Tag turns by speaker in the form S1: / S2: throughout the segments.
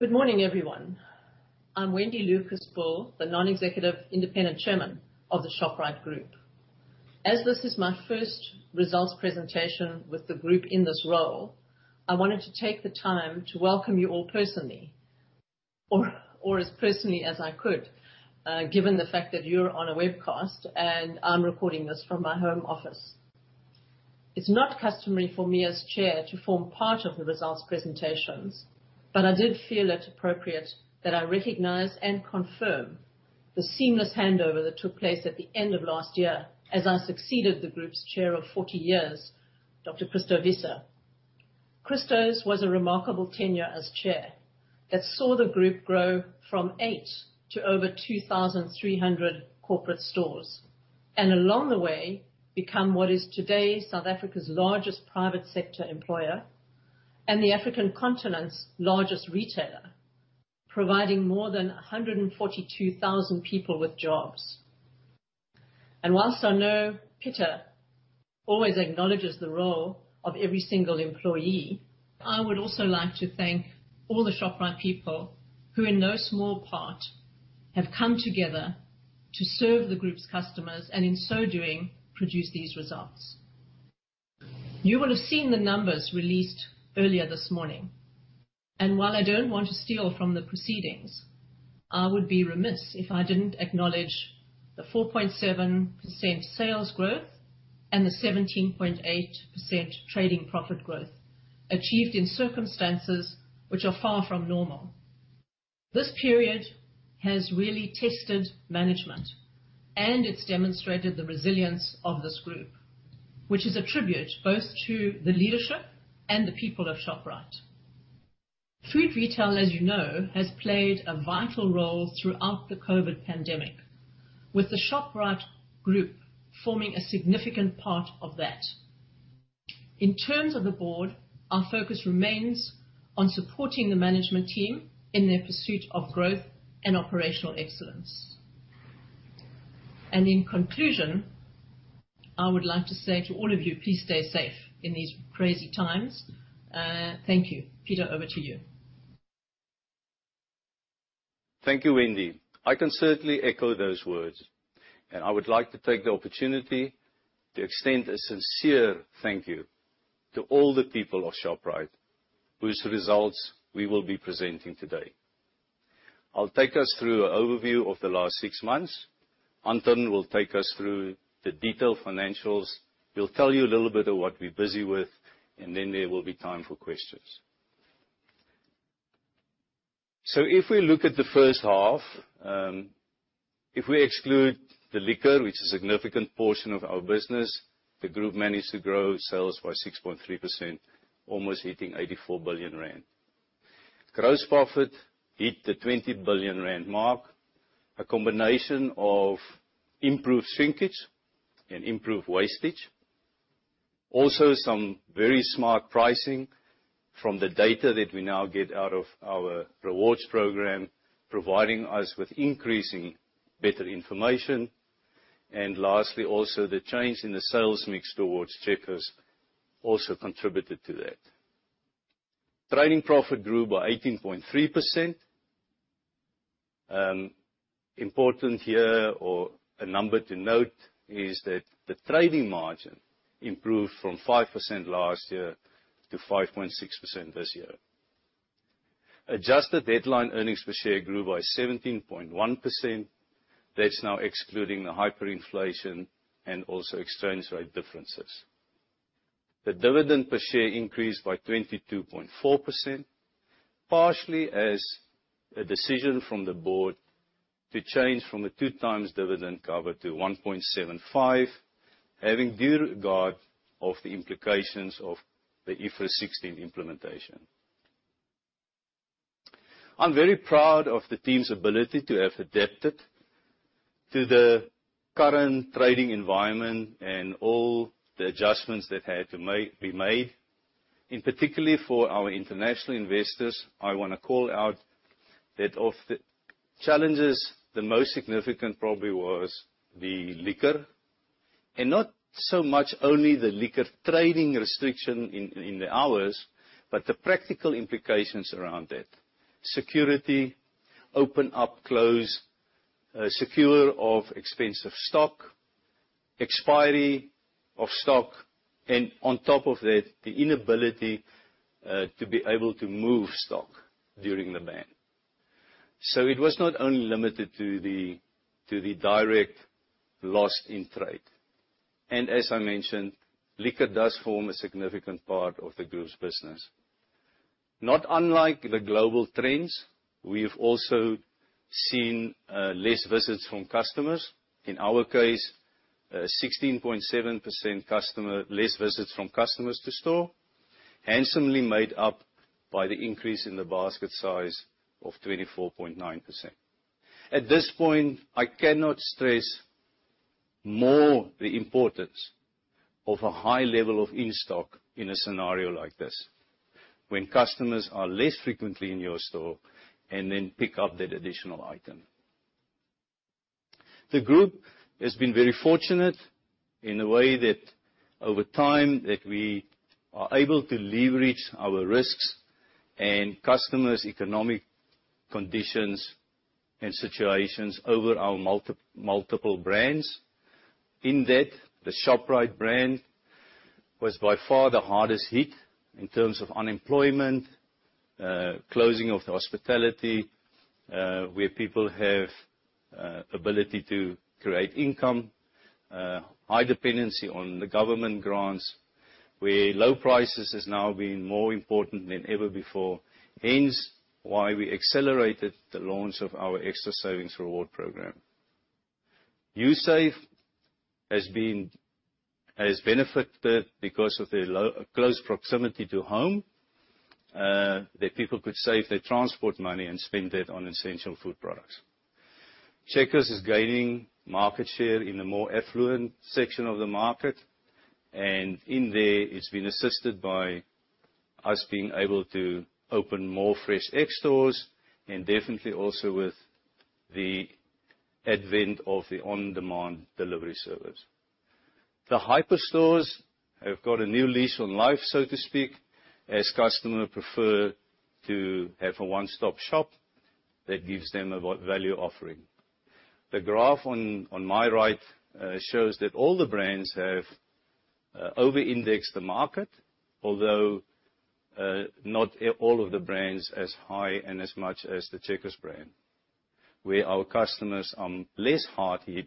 S1: Good morning, everyone. I'm Wendy Lucas-Bull, the non-executive independent chairman of the Shoprite Group. As this is my first results presentation with the group in this role, I wanted to take the time to welcome you all personally or as personally as I could, given the fact that you're on a webcast and I'm recording this from my home office. It's not customary for me as chair to form part of the results presentations, but I did feel it appropriate that I recognize and confirm the seamless handover that took place at the end of last year as I succeeded the group's chair of 40 years, Dr. Christo Wiese. Christo's was a remarkable tenure as chair that saw the group grow from eight to over 2,300 corporate stores. Along the way, become what is today South Africa's largest private sector employer and the African continent's largest retailer, providing more than 142,000 people with jobs. Whilst I know Pieter always acknowledges the role of every single employee, I would also like to thank all the Shoprite people who in no small part have come together to serve the group's customers, in so doing, produce these results. You will have seen the numbers released earlier this morning. While I don't want to steal from the proceedings, I would be remiss if I didn't acknowledge the 4.7% sales growth and the 17.8% trading profit growth achieved in circumstances which are far from normal. This period has really tested management, and it's demonstrated the resilience of this group, which is a tribute both to the leadership and the people of Shoprite. Food retail, as you know, has played a vital role throughout the COVID pandemic, with the Shoprite Group forming a significant part of that. In terms of the board, our focus remains on supporting the management team in their pursuit of growth and operational excellence. In conclusion, I would like to say to all of you, please stay safe in these crazy times. Thank you. Pieter, over to you.
S2: Thank you, Wendy. I can certainly echo those words, and I would like to take the opportunity to extend a sincere thank you to all the people of Shoprite, whose results we will be presenting today. I'll take us through an overview of the last six months. Anton will take us through the detailed financials. He'll tell you a little bit of what we're busy with, and then there will be time for questions. If we look at the first half, if we exclude the liquor, which is a significant portion of our business, the group managed to grow sales by 6.3%, almost hitting 84 billion rand. Gross profit hit the 20 billion rand mark. A combination of improved shrinkage and improved wastage, also some very smart pricing from the data that we now get out of our rewards program, providing us with increasing better information. Lastly, also the change in the sales mix towards Checkers also contributed to that. Trading profit grew by 18.3%. Important here or a number to note is that the trading margin improved from 5% last year to 5.6% this year. Adjusted headline earnings per share grew by 17.1%. That's now excluding the hyperinflation and also exchange rate differences. The dividend per share increased by 22.4%, partially as a decision from the board to change from a 2x dividend cover to 1.75, having due regard of the implications of the IFRS 16 implementation. I'm very proud of the team's ability to have adapted to the current trading environment and all the adjustments that had to be made. In particular for our international investors, I want to call out that of the challenges, the most significant probably was the liquor, and not so much only the liquor trading restriction in the hours, but the practical implications around that, security, open, up, close, secure of expensive stock, expiry of stock, and on top of that, the inability to be able to move stock during the ban. It was not only limited to the direct loss in trade. As I mentioned, liquor does form a significant part of the group's business. Not unlike the global trends, we've also seen less visits from customers. In our case, 16.7% less visits from customers to store, handsomely made up by the increase in the basket size of 24.9%. At this point, I cannot stress more the importance of a high level of in-stock in a scenario like this when customers are less frequently in your store and then pick up that additional item. The group has been very fortunate in a way that over time, that we are able to leverage our risks and customers' economic conditions and situations over our multiple brands. In that, the Shoprite brand was by far the hardest hit in terms of unemployment, closing of hospitality, where people have ability to create income, high dependency on the government grants, where low prices has now been more important than ever before. Hence, why we accelerated the launch of our Xtra Savings reward program. Usave has benefited because of their close proximity to home, that people could save their transport money and spend that on essential food products. Checkers is gaining market share in the more affluent section of the market, and in there it's been assisted by us being able to open more FreshX stores, and definitely also with the advent of the on-demand delivery service. The hyper stores have got a new lease on life, so to speak, as customer prefer to have a one-stop shop that gives them a value offering. The graph on my right shows that all the brands have over-indexed the market, although not all of the brands as high and as much as the Checkers brand, where our customers are less hard hit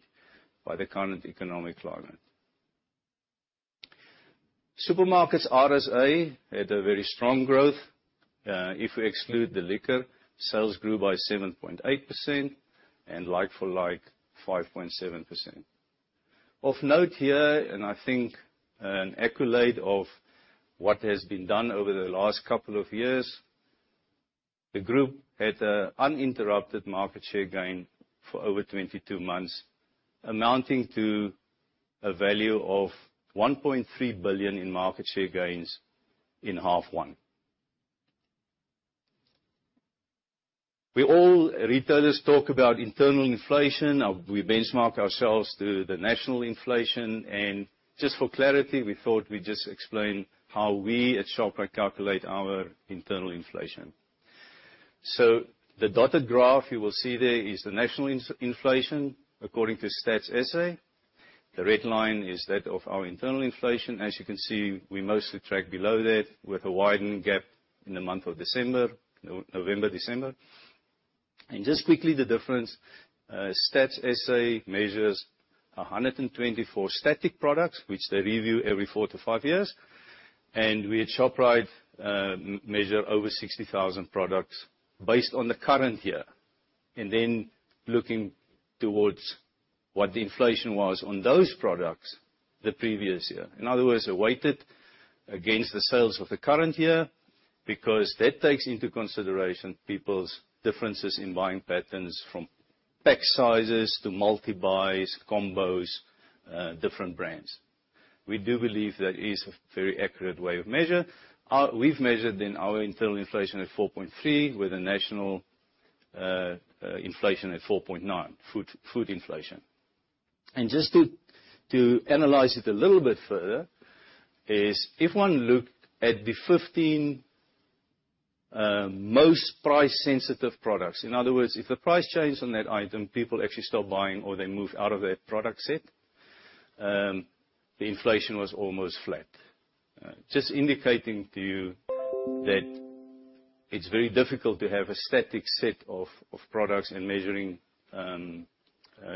S2: by the current economic climate. Supermarkets RSA had a very strong growth. If we exclude the liquor, sales grew by 7.8%, and like-for-like, 5.7%. Of note here, and I think an accolade of what has been done over the last couple of years, the Shoprite Group had an uninterrupted market share gain for over 22 months, amounting to a value of 1.3 billion in market share gains in half one. We all, retailers talk about internal inflation. We benchmark ourselves to the national inflation. Just for clarity, we thought we'd just explain how we at Shoprite calculate our internal inflation. The dotted graph you will see there is the national inflation, according to Stats SA. The red line is that of our internal inflation. As you can see, we mostly track below that with a widened gap in the month of December. November, December. Just quickly, the difference, Stats SA measures 124 static products, which they review every four to five years. We at Shoprite measure over 60,000 products based on the current year, then looking towards what the inflation was on those products the previous year. In other words, weighted against the sales of the current year, because that takes into consideration people's differences in buying patterns from pack sizes to multi-buys, combos, different brands. We do believe that is a very accurate way of measure. We've measured then our internal inflation at 4.3% with a national inflation at 4.9%, food inflation. Just to analyze it a little bit further is if one looked at the 15 most price sensitive products. In other words, if the price changed on that item, people actually stop buying or they move out of that product set. The inflation was almost flat. Just indicating to you that it's very difficult to have a static set of products and measuring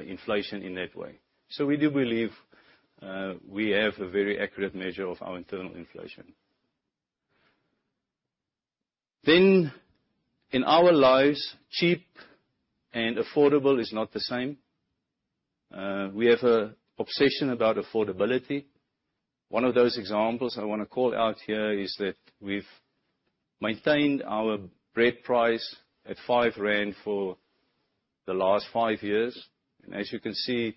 S2: inflation in that way. We do believe we have a very accurate measure of our internal inflation. In our lives, cheap and affordable is not the same. We have an obsession about affordability. One of those examples I want to call out here is that we've maintained our bread price at 5 rand for the last five years. As you can see,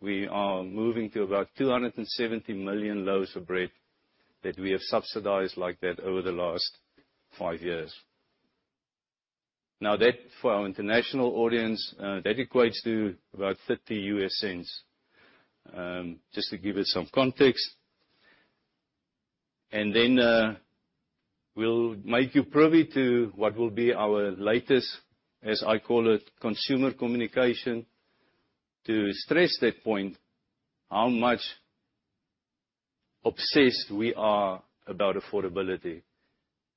S2: we are moving to about 270 million loaves of bread that we have subsidized like that over the last five years. That, for our international audience, that equates to about $0.30, just to give it some context. We'll make you privy to what will be our latest, as I call it, consumer communication, to stress that point, how much obsessed we are about affordability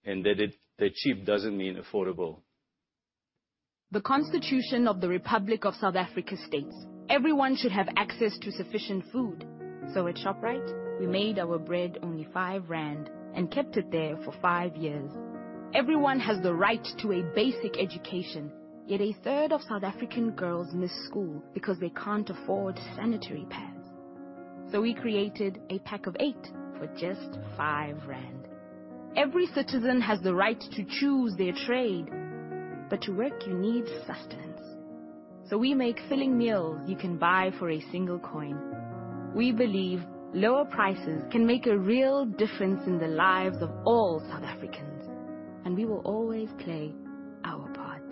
S2: and that cheap doesn't mean affordable.
S3: The Constitution of the Republic of South Africa states, Everyone should have access to sufficient food. At Shoprite, we made our bread only 5 rand and kept it there for five years. Everyone has the right to a basic education, yet a third of South African girls miss school because they can't afford sanitary pads. We created a pack of eight for just 5 rand. Every citizen has the right to choose their trade, but to work you need sustenance. We make filling meals you can buy for a single coin. We believe lower prices can make a real difference in the lives of all South Africans. We will always play our part.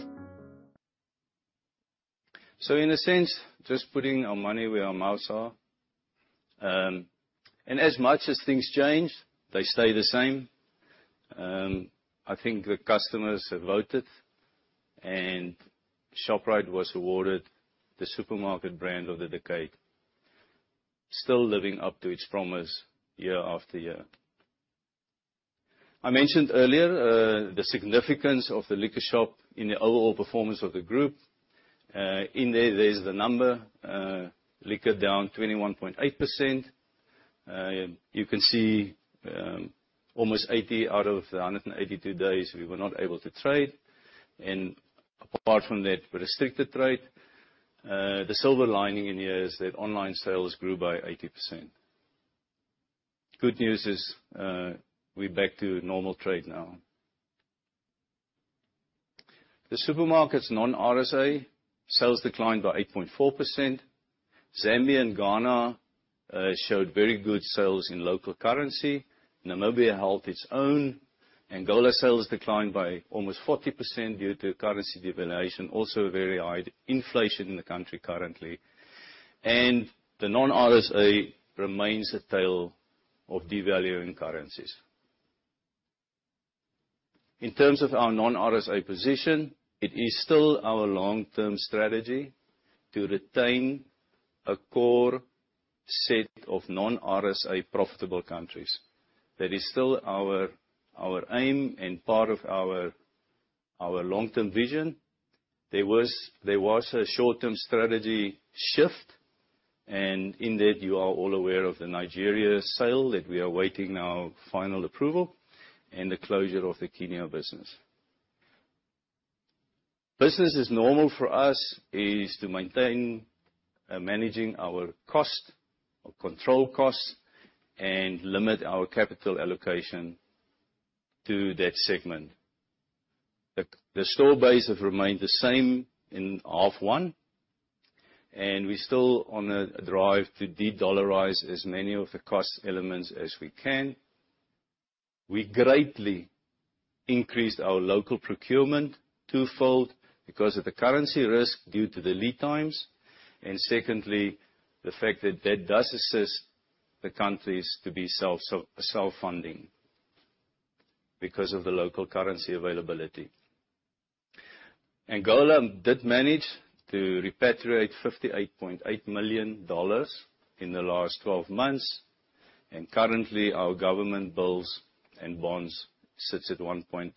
S2: In a sense, just putting our money where our mouths are. As much as things change, they stay the same. I think the customers have voted, Shoprite was awarded the Supermarket Brand of the Decade, still living up to its promise year after year. I mentioned earlier, the significance of the LiquorShop in the overall performance of the Shoprite Group. In there's the number, liquor down 21.8%. You can see almost 80 out of the 182 days, we were not able to trade. Apart from that restricted trade, the silver lining in here is that online sales grew by 80%. Good news is, we're back to normal trade now. The supermarket's non-RSA sales declined by 8.4%. Zambia and Ghana showed very good sales in local currency. Namibia held its own. Angola sales declined by almost 40% due to currency devaluation. Also very high inflation in the country currently. The non-RSA remains a tale of devaluing currencies. In terms of our non-RSA position, it is still our long-term strategy to retain a core set of non-RSA profitable countries. That is still our aim and part of our long-term vision. There was a short-term strategy shift, and in that, you are all aware of the Nigeria sale that we are waiting now final approval, and the closure of the Kenya business. Business as normal for us is to maintain managing our cost or control costs and limit our capital allocation to that segment. The store base has remained the same in half one, and we're still on a drive to de-dollarize as many of the cost elements as we can. We greatly increased our local procurement twofold because of the currency risk due to the lead times, and secondly, the fact that that does assist the countries to be self-funding because of the local currency availability. Angola did manage to repatriate ZAR 58.8 million in the last 12 months, and currently, our government bills and bonds sits at 1.6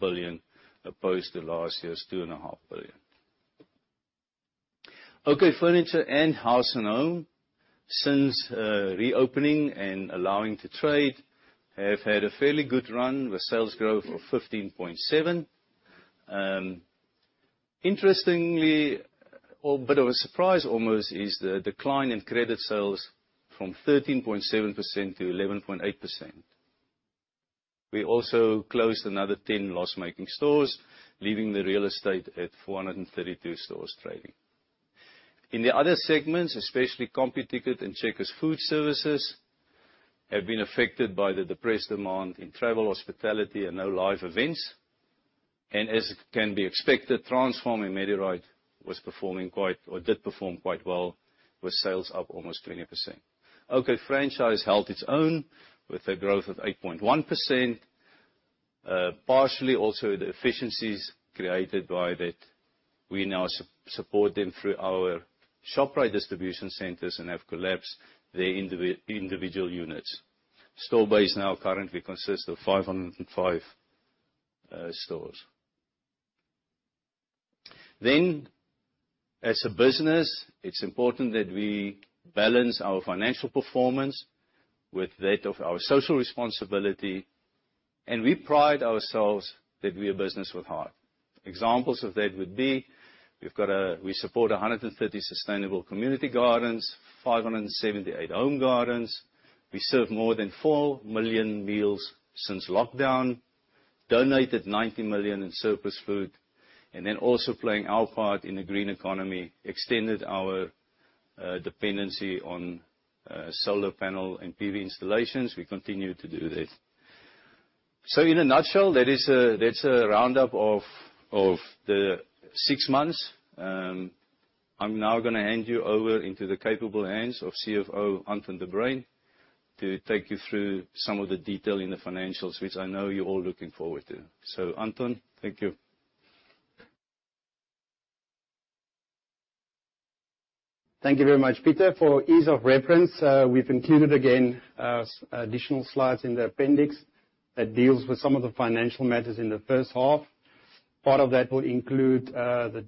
S2: billion, opposed to last year's 2.5 billion. OK Furniture and House & Home, since reopening and allowing to trade, have had a fairly good run with sales growth of 15.7%. Interestingly, or bit of a surprise almost, is the decline in credit sales from 13.7%-11.8%. We also closed another 10 loss-making stores, leaving the real estate at 432 stores trading. In the other segments, especially Computicket and Checkers Food Services, have been affected by the depressed demand in travel hospitality and no live events. As can be expected, Transpharm and Medirite did perform quite well with sales up almost 20%. OK Franchise held its own with a growth of 8.1%, partially also the efficiencies created by that we now support them through our Shoprite distribution centers and have collapsed their individual units. Store base now currently consists of 505 stores. As a business, it's important that we balance our financial performance with that of our social responsibility, and we pride ourselves that we're a business with heart. Examples of that would be, we support 130 sustainable community gardens, 578 home gardens. We served more than four million meals since lockdown, donated 90 million in surplus food, and then also playing our part in the green economy, extended our dependency on solar panel and PV installations. We continue to do that. In a nutshell, that's a roundup of the six months. I'm now gonna hand you over into the capable hands of CFO Anton de Bruyn to take you through some of the detail in the financials, which I know you're all looking forward to. Anton, thank you.
S4: Thank you very much, Pieter. For ease of reference, we've included again, additional slides in the appendix that deals with some of the financial matters in the first half. Part of that will include the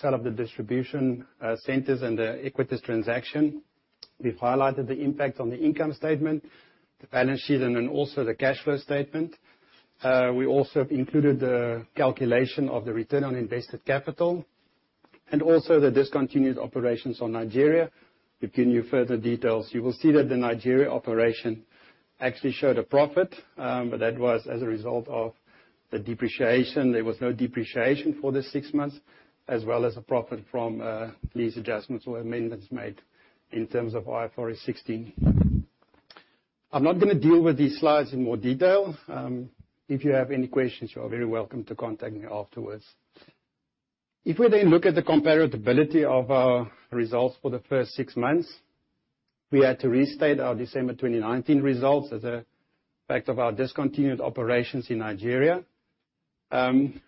S4: sale of the distribution centers and the Equites transaction. We've highlighted the impact on the income statement, the balance sheet, and then also the cash flow statement. We also have included the calculation of the return on invested capital and also the discontinued operations on Nigeria to give you further details. You will see that the Nigeria operation actually showed a profit, but that was as a result of the depreciation. There was no depreciation for the six months, as well as a profit from lease adjustments or amendments made in terms of IFRS 16. I'm not going to deal with these slides in more detail. If you have any questions, you are very welcome to contact me afterwards. If we then look at the comparability of our results for the first six months, we had to restate our December 2019 results as a fact of our discontinued operations in Nigeria. During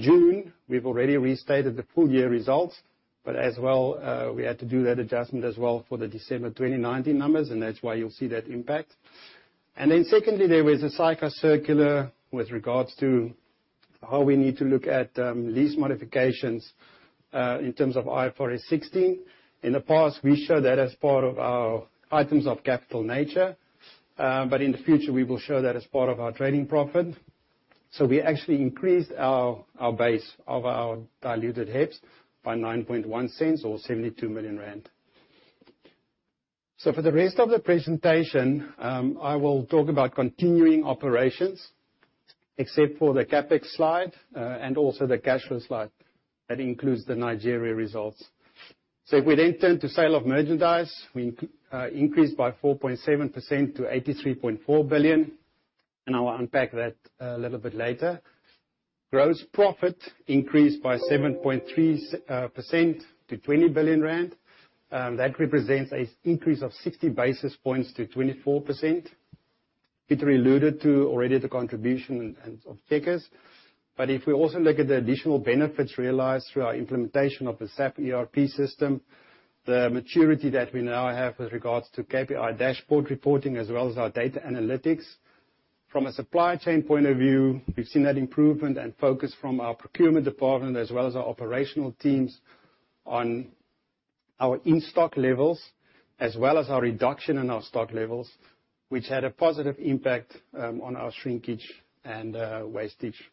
S4: June, we've already restated the full year results, but as well, we had to do that adjustment as well for the December 2019 numbers, and that's why you'll see that impact. Secondly, there was a SAICA circular with regards to how we need to look at lease modifications in terms of IFRS 16. In the past, we show that as part of our items of capital nature, but in the future, we will show that as part of our trading profit. We actually increased our base of our diluted HEPS by 0.091 or 72 million rand. For the rest of the presentation, I will talk about continuing operations, except for the CapEx slide, and also the cash flow slide. That includes the Nigeria results. If we turn to sale of merchandise, we increased by 4.7% to 83.4 billion, and I will unpack that a little bit later. Gross profit increased by 7.3% to 20 billion rand. That represents an increase of 60 basis points to 24%. Pieter alluded to already the contribution of Checkers. If we also look at the additional benefits realized through our implementation of the SAP ERP system, the maturity that we now have with regards to KPI dashboard reporting as well as our data analytics. From a supply chain point of view, we've seen that improvement and focus from our procurement department as well as our operational teams on our in-stock levels, as well as our reduction in our stock levels, which had a positive impact on our shrinkage and wastage.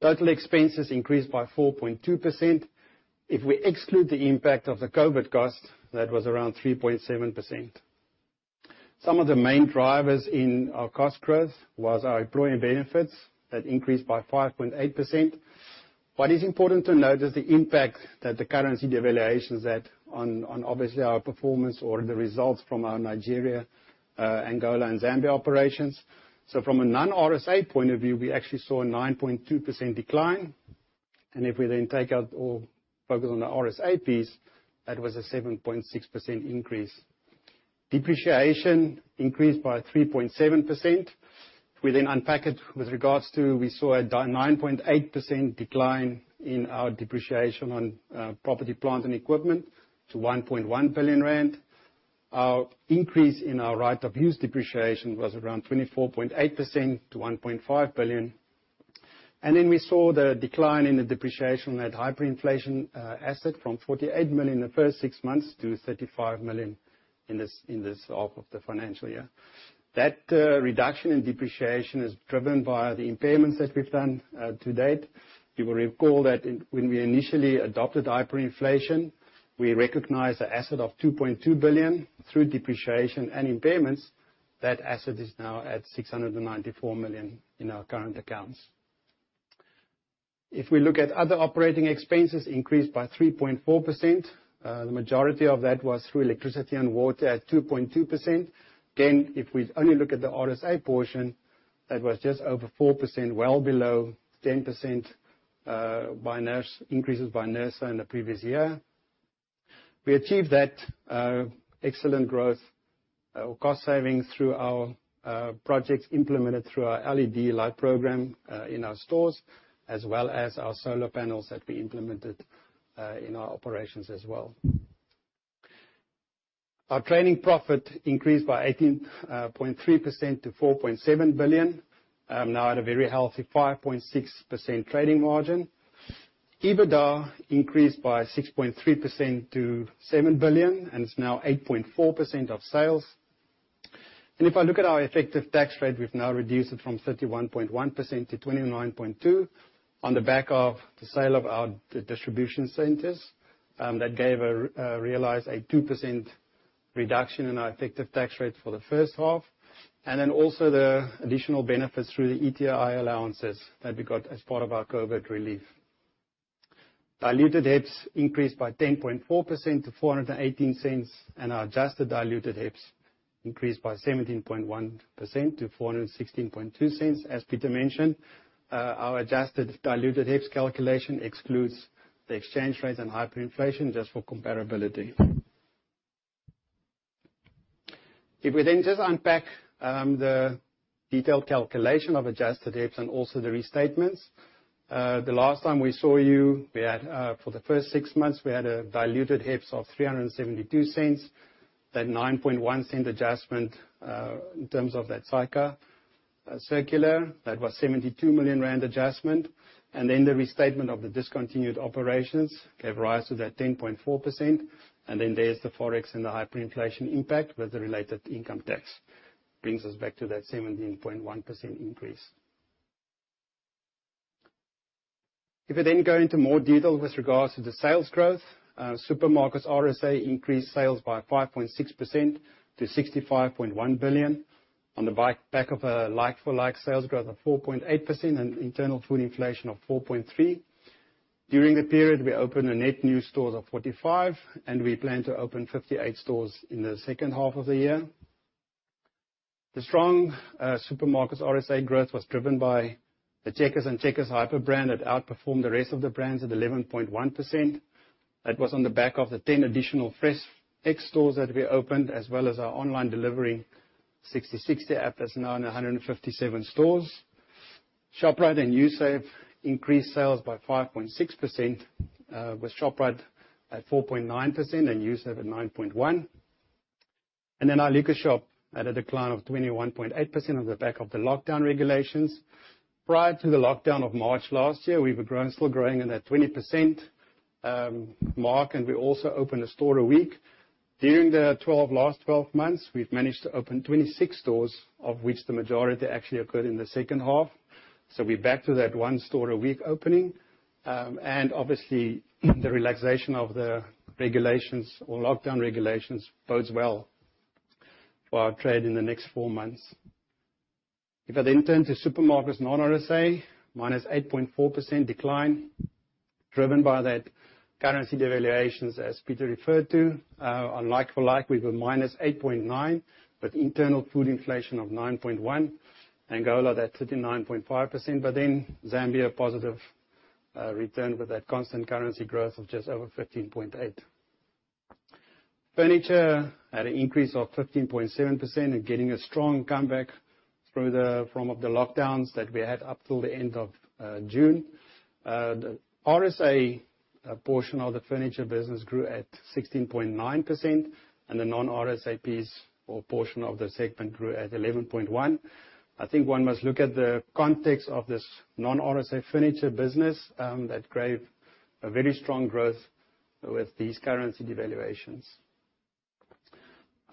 S4: Total expenses increased by 4.2%. If we exclude the impact of the COVID cost, that was around 3.7%. Some of the main drivers in our cost growth was our employee benefits that increased by 5.8%. What is important to note is the impact that the currency devaluations had on obviously our performance or the results from our Nigeria, Angola, and Zambia operations. From a non-R.S.A. point of view, we actually saw a 9.2% decline. If we then take out or focus on the R.S.A. piece, that was a 7.6% increase. Depreciation increased by 3.7%. We unpack it with regards to we saw a 9.8% decline in our depreciation on property, plant, and equipment to 1.1 billion rand. Our increase in our right-of-use depreciation was around 24.8% to 1.5 billion. Then we saw the decline in the depreciation on that hyperinflation asset from 48 million the first six months to 35 million in this half of the financial year. That reduction in depreciation is driven by the impairments that we've done to date. You will recall that when we initially adopted hyperinflation, we recognized an asset of 2.2 billion through depreciation and impairments. That asset is now at 694 million in our current accounts. If we look at other operating expenses increased by 3.4%, the majority of that was through electricity and water at 2.2%. If we only look at the RSA portion, that was just over 4%, well below 10% increases by NERSA in the previous year. We achieved that excellent growth or cost saving through our projects implemented through our LED light program in our stores, as well as our solar panels that we implemented in our operations as well. Our trading profit increased by 18.3% to 4.7 billion, now at a very healthy 5.6% trading margin. EBITDA increased by 6.3% to 7 billion and is now 8.4% of sales. If I look at our effective tax rate, we've now reduced it from 31.1% to 29.2% on the back of the sale of our distribution centers. That gave a realized 2% reduction in our effective tax rate for the first half, and then also the additional benefits through the ETI allowances that we got as part of our COVID relief. Diluted HEPS increased by 10.4% to 4.18. Our adjusted diluted HEPS increased by 17.1% to 4.162. As Pieter mentioned, our adjusted diluted HEPS calculation excludes the exchange rate and hyperinflation just for comparability. If we just unpack the detailed calculation of adjusted HEPS and also the restatements. The last time we saw you, for the first six months, we had a diluted HEPS of 3.72. That 0.091 adjustment, in terms of that cycle circular, that was 72 million rand adjustment. The restatement of the discontinued operations gave rise to that 10.4%. There's the Forex and the hyperinflation impact with the related income tax, brings us back to that 17.1% increase. If we go into more detail with regards to the sales growth, Supermarkets RSA increased sales by 5.6% to 65.1 billion on the back of a like-for-like sales growth of 4.8% and internal food inflation of 4.3%. During the period, we opened a net new stores of 45. We plan to open 58 stores in the second half of the year. The strong Supermarkets RSA growth was driven by the Checkers and Checkers Hyper brand that outperformed the rest of the brands at 11.1%. That was on the back of the 10 additional FreshX stores that we opened, as well as our online delivery, Sixty60 app that's now in 157 stores. Shoprite and Usave increased sales by 5.6%, with Shoprite at 4.9% and Usave at 9.1%. Our LiquorShop had a decline of 21.8% on the back of the lockdown regulations. Prior to the lockdown of March last year, we were still growing in that 20% mark, we also opened a store a week. During the last 12 months, we've managed to open 26 stores, of which the majority actually occurred in the second half. We're back to that one store a week opening. Obviously, the relaxation of the regulations or lockdown regulations bodes well for our trade in the next four months. If I then turn to supermarkets, non-RSA, -8.4% decline, driven by that currency devaluations as Pieter referred to. On like for like, we were -8.9%, internal food inflation of 9.1%. Angola, that's 39.5%, Zambia positive return with that constant currency growth of just over 15.8%. Furniture had an increase of 15.7% getting a strong comeback from of the lockdowns that we had up till the end of June. The RSA portion of the furniture business grew at 16.9%. The non-RSA piece or portion of the segment grew at 11.1%. I think one must look at the context of this non-RSA furniture business that gave a very strong growth with these currency devaluations.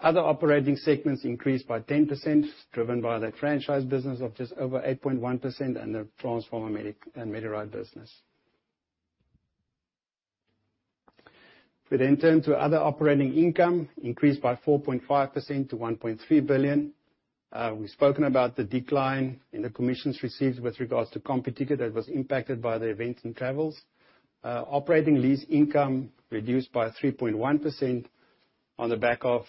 S4: Other operating segments increased by 10%, driven by the franchise business of just over 8.1% and the Transpharm and Medirite business. I then turn to other operating income, increased by 4.5% to 1.3 billion. We've spoken about the decline in the commissions received with regards to Computicket that was impacted by the events and travels. Operating lease income reduced by 3.1% on the back of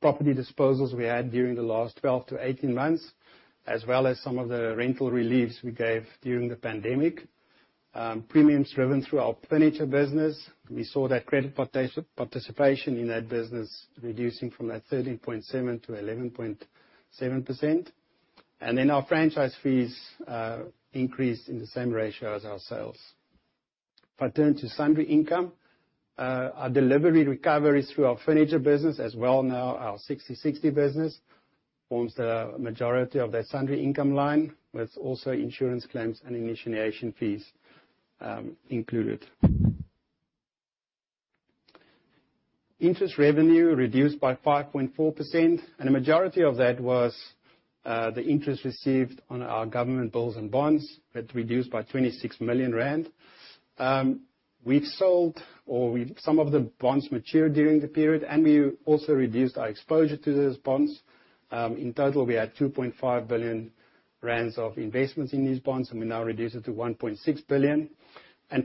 S4: property disposals we had during the last 12-18 months, as well as some of the rental reliefs we gave during the pandemic. Premiums driven through our furniture business. We saw that credit participation in that business reducing from that 13.7% to 11.7%. Our franchise fees increased in the same ratio as our sales. If I turn to sundry income, our delivery recoveries through our furniture business as well now our Sixty60 business forms the majority of that sundry income line, with also insurance claims and initiation fees included. Interest revenue reduced by 5.4%, and a majority of that was the interest received on our government bills and bonds that reduced by 26 million rand. Some of the bonds matured during the period, and we also reduced our exposure to those bonds. In total, we had 2.5 billion rand of investments in these bonds, and we now reduce it to 1.6 billion.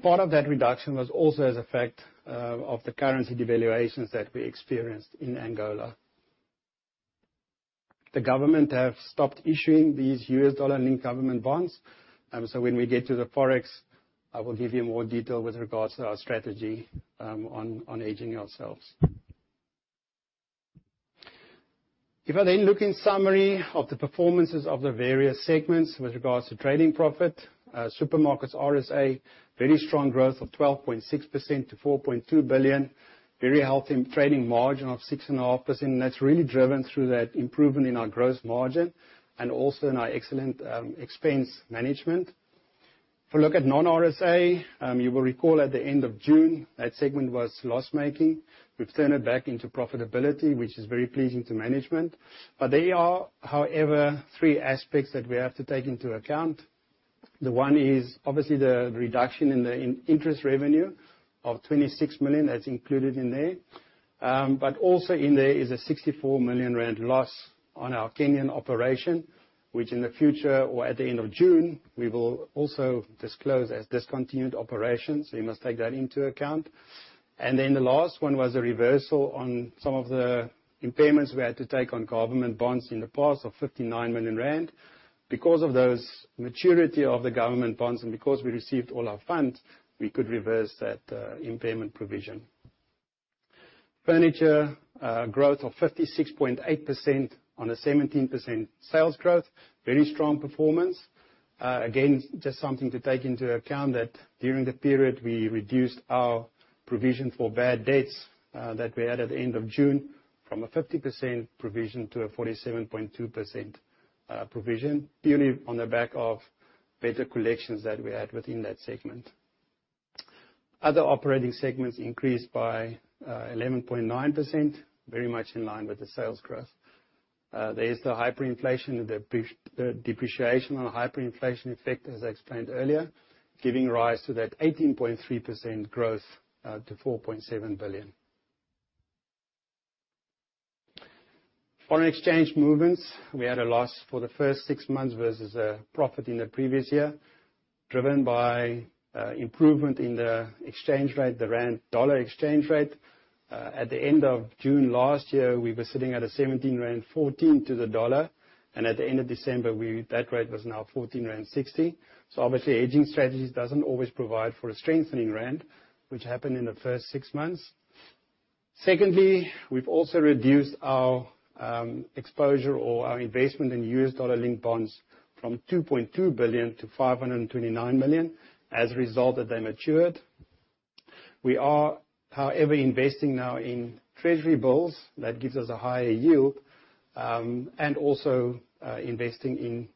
S4: Part of that reduction was also as effect of the currency devaluations that we experienced in Angola. The government have stopped issuing these US dollar-linked government bonds. When we get to the Forex, I will give you more detail with regards to our strategy on hedging ourselves If I then look in summary of the performances of the various segments with regards to trading profit. Supermarkets RSA, very strong growth of 12.6% to 4.2 billion. Very healthy trading margin of 6.5%, and that's really driven through that improvement in our gross margin and also in our excellent expense management. If I look at non-RSA, you will recall at the end of June, that segment was loss-making. We've turned it back into profitability, which is very pleasing to management. There are, however, three aspects that we have to take into account. One is obviously the reduction in the interest revenue of 26 million that's included in there. Also in there is a 64 million rand loss on our Kenyan operation, which in the future or at the end of June, we will also disclose as discontinued operations. You must take that into account. The last one was a reversal on some of the impairments we had to take on government bonds in the past of 59 million rand. Because of those maturity of the government bonds and because we received all our funds, we could reverse that impairment provision. Furniture growth of 56.8% on a 17% sales growth, very strong performance. Just something to take into account that during the period, we reduced our provision for bad debts that we had at the end of June from a 50% provision to a 47.2% provision, purely on the back of better collections that we had within that segment. Other operating segments increased by 11.9%, very much in line with the sales growth. There's the hyperinflation, the depreciation on the hyperinflation effect, as I explained earlier, giving rise to that 18.3% growth to ZAR 4.7 billion. Foreign exchange movements, we had a loss for the first six months versus a profit in the previous year, driven by improvement in the exchange rate, the rand-dollar exchange rate. At the end of June last year, we were sitting at 17.14 rand to the dollar, and at the end of December, that rate was now 14.60 rand. Obviously, hedging strategies doesn't always provide for a strengthening rand, which happened in the first six months. We've also reduced our exposure or our investment in US dollar-linked bonds from 2.2 billion to 529 million. As a result, they matured. We are, however, investing now in treasury bills. That gives us a higher yield. Investing in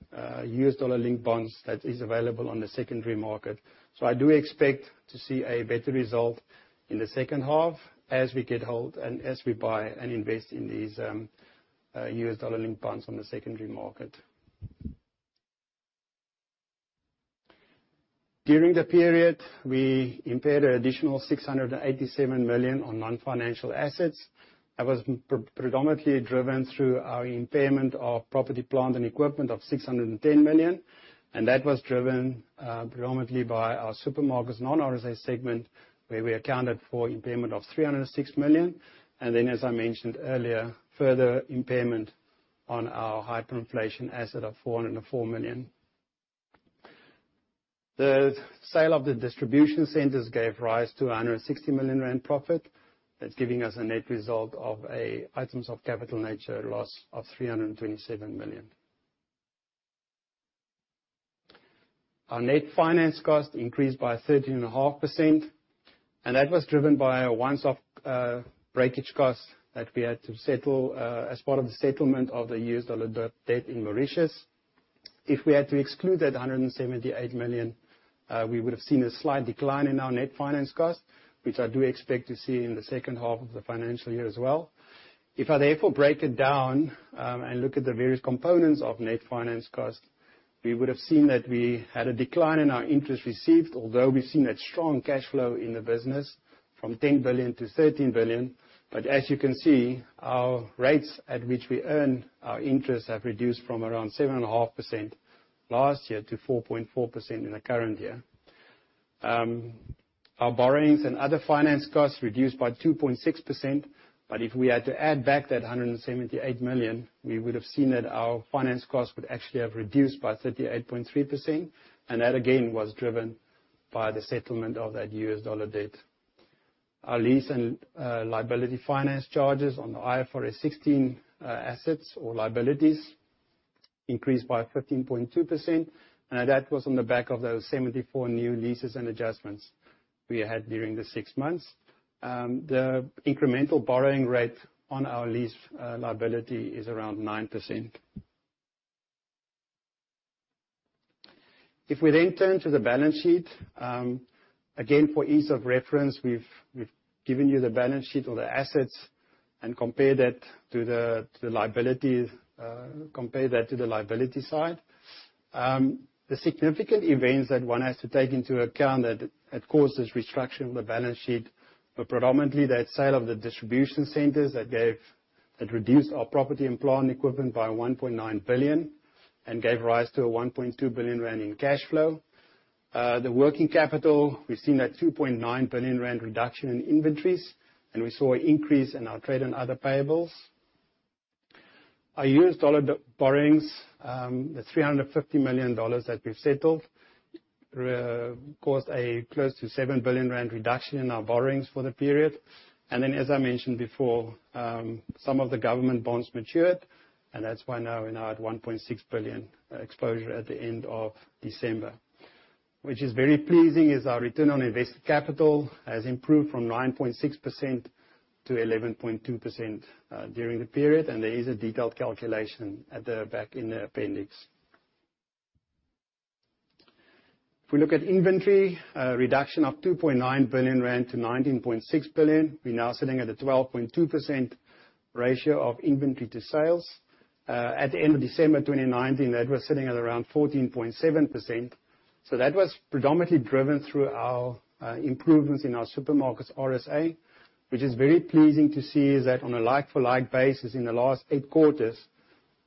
S4: US dollar-linked bonds that is available on the secondary market. I do expect to see a better result in the second half as we get hold and as we buy and invest in these US dollar-linked bonds on the secondary market. During the period, we impaired an additional 687 million on non-financial assets. That was predominantly driven through our impairment of property, plant, and equipment of 610 million, and that was driven predominantly by our supermarkets non-RSA segment, where we accounted for impairment of 306 million. As I mentioned earlier, further impairment on our hyperinflation asset of 404 million. The sale of the distribution centers gave rise to 160 million rand profit. Giving us a net result of a items of capital nature loss of 327 million. Our net finance cost increased by 30.5%, and that was driven by a once-off breakage cost that we had to settle as part of the settlement of the U.S. dollar debt in Mauritius. If we had to exclude that 178 million, we would have seen a slight decline in our net finance cost, which I do expect to see in the second half of the financial year as well. If I therefore break it down and look at the various components of net finance cost, we would have seen that we had a decline in our interest received, although we've seen a strong cash flow in the business from 10 billion to 13 billion. As you can see, our rates at which we earn our interest have reduced from around 7.5% last year to 4.4% in the current year. Our borrowings and other finance costs reduced by 2.6%, but if we had to add back that 178 million, we would have seen that our finance cost would actually have reduced by 38.3%, and that, again, was driven by the settlement of that USD debt. Our lease and liability finance charges on the IFRS 16 assets or liabilities increased by 15.2%, and that was on the back of those 74 new leases and adjustments we had during the six months. The incremental borrowing rate on our lease liability is around 9%. If we then turn to the balance sheet, again, for ease of reference, we've given you the balance sheet or the assets and compare that to the liability side. The significant events that one has to take into account that caused this restructure of the balance sheet were predominantly that sale of the distribution centers that reduced our property and plant equipment by 1.9 billion and gave rise to a 1.2 billion rand in cash flow. The working capital, we've seen that 2.9 billion rand reduction in inventories. We saw an increase in our trade and other payables. Our US dollar borrowings, the $350 million that we've settled, caused a close to 7 billion rand reduction in our borrowings for the period. Then, as I mentioned before, some of the government bonds matured, and that's why now we're now at 1.6 billion exposure at the end of December. Which is very pleasing is our return on invested capital has improved from 9.6% to 11.2% during the period, and there is a detailed calculation at the back in the appendix. If we look at inventory, a reduction of 2.9 billion rand to 19.6 billion. We're now sitting at a 12.2% ratio of inventory to sales. At the end of December 2019, that was sitting at around 14.7%. That was predominantly driven through our improvements in our supermarkets RSA, which is very pleasing to see is that on a like-for-like basis in the last eight quarters,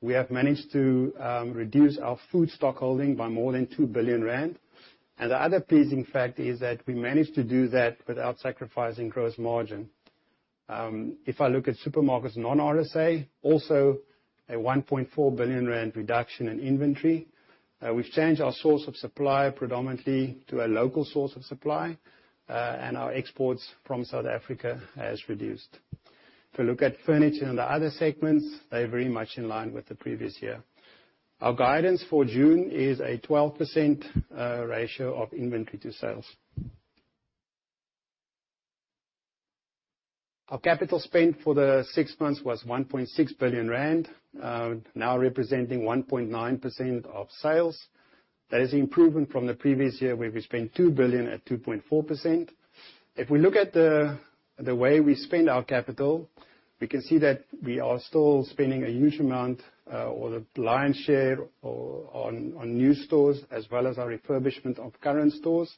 S4: we have managed to reduce our food stock holding by more than 2 billion rand. The other pleasing fact is that we managed to do that without sacrificing gross margin. If I look at supermarkets, non-RSA, also a 1.4 billion rand reduction in inventory. We've changed our source of supply predominantly to a local source of supply, and our exports from South Africa has reduced. If you look at furniture and the other segments, they're very much in line with the previous year. Our guidance for June is a 12% ratio of inventory to sales. Our capital spend for the six months was 1.6 billion rand, now representing 1.9% of sales. That is improvement from the previous year, where we spent 2 billion at 2.4%. If we look at the way we spend our capital, we can see that we are still spending a huge amount, or the lion's share, on new stores as well as our refurbishment of current stores.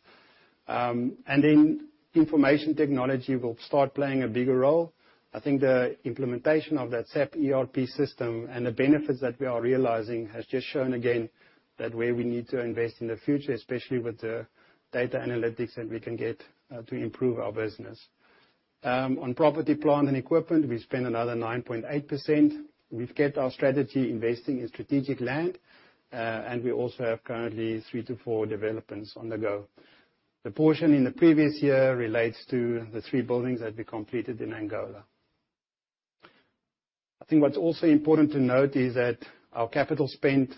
S4: Information technology will start playing a bigger role. I think the implementation of that SAP ERP system and the benefits that we are realizing has just shown again that where we need to invest in the future, especially with the data analytics that we can get to improve our business. On property, plant, and equipment, we spent another 9.8%. We've kept our strategy investing in strategic land, and we also have currently three to four developments on the go. The portion in the previous year relates to the three buildings that we completed in Angola. I think what's also important to note is that our capital spent,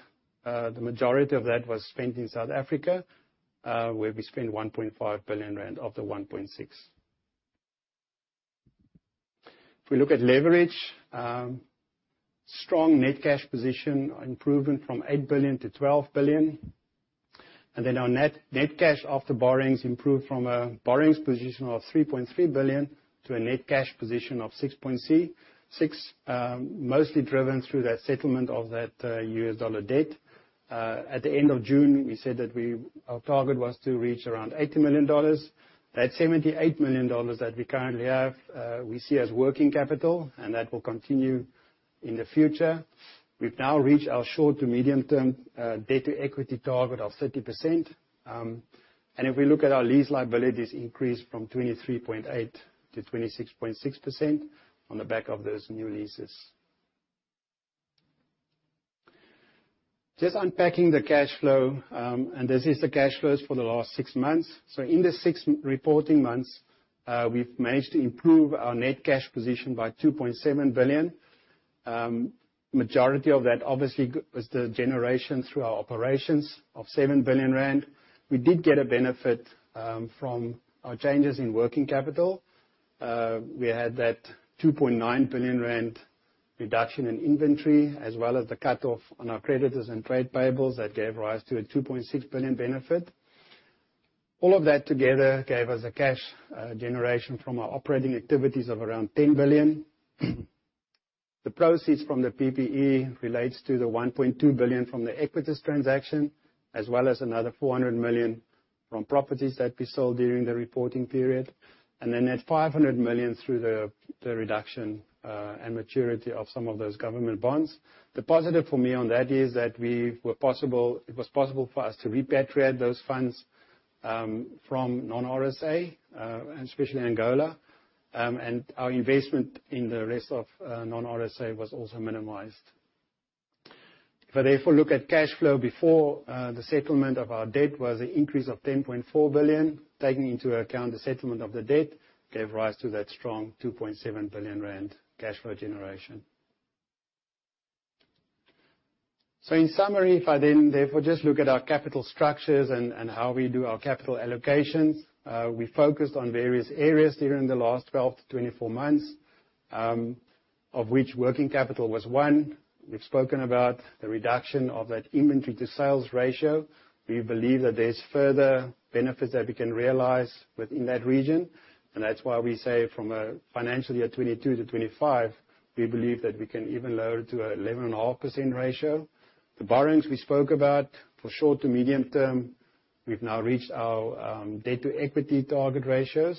S4: the majority of that was spent in South Africa, where we spent 1.5 billion rand of the 1.6 billion. If we look at leverage, strong net cash position improvement from 8 billion to 12 billion. Our net cash after borrowings improved from a borrowings position of 3.3 billion to a net cash position of 6.6 billion, mostly driven through that settlement of that US dollar debt. At the end of June, we said that our target was to reach around 80 million dollars. That 78 million dollars that we currently have, we see as working capital, and that will continue in the future. We've now reached our short to medium term debt-to-equity target of 30%. If we look at our lease liabilities increase from 23.8% to 26.6% on the back of those new leases. Just unpacking the cash flow, this is the cash flows for the last six months. In the six reporting months, we've managed to improve our net cash position by 2.7 billion. Majority of that, obviously, was the generation through our operations of 7 billion rand. We did get a benefit from our changes in working capital. We had that 2.9 billion rand reduction in inventory, as well as the cutoff on our creditors and trade payables that gave rise to a 2.6 billion benefit. All of that together gave us a cash generation from our operating activities of around 10 billion. The proceeds from the PPE relates to the 1.2 billion from the Equites transaction, as well as another 400 million from properties that we sold during the reporting period. That 500 million through the reduction and maturity of some of those government bonds. The positive for me on that is that it was possible for us to repatriate those funds from non-RSA, and especially Angola, and our investment in the rest of non-RSA was also minimized. If I therefore look at cash flow before the settlement of our debt was an increase of 10.4 billion, taking into account the settlement of the debt gave rise to that strong 2.7 billion rand cash flow generation. In summary, if I then therefore just look at our capital structures and how we do our capital allocations, we focused on various areas during the last 12-24 months, of which working capital was one. We've spoken about the reduction of that inventory to sales ratio. We believe that there's further benefits that we can realize within that region, and that's why we say from a financial year 2022-2025, we believe that we can even lower to a 11.5% ratio. The borrowings we spoke about for short to medium term, we've now reached our debt-to-equity target ratios.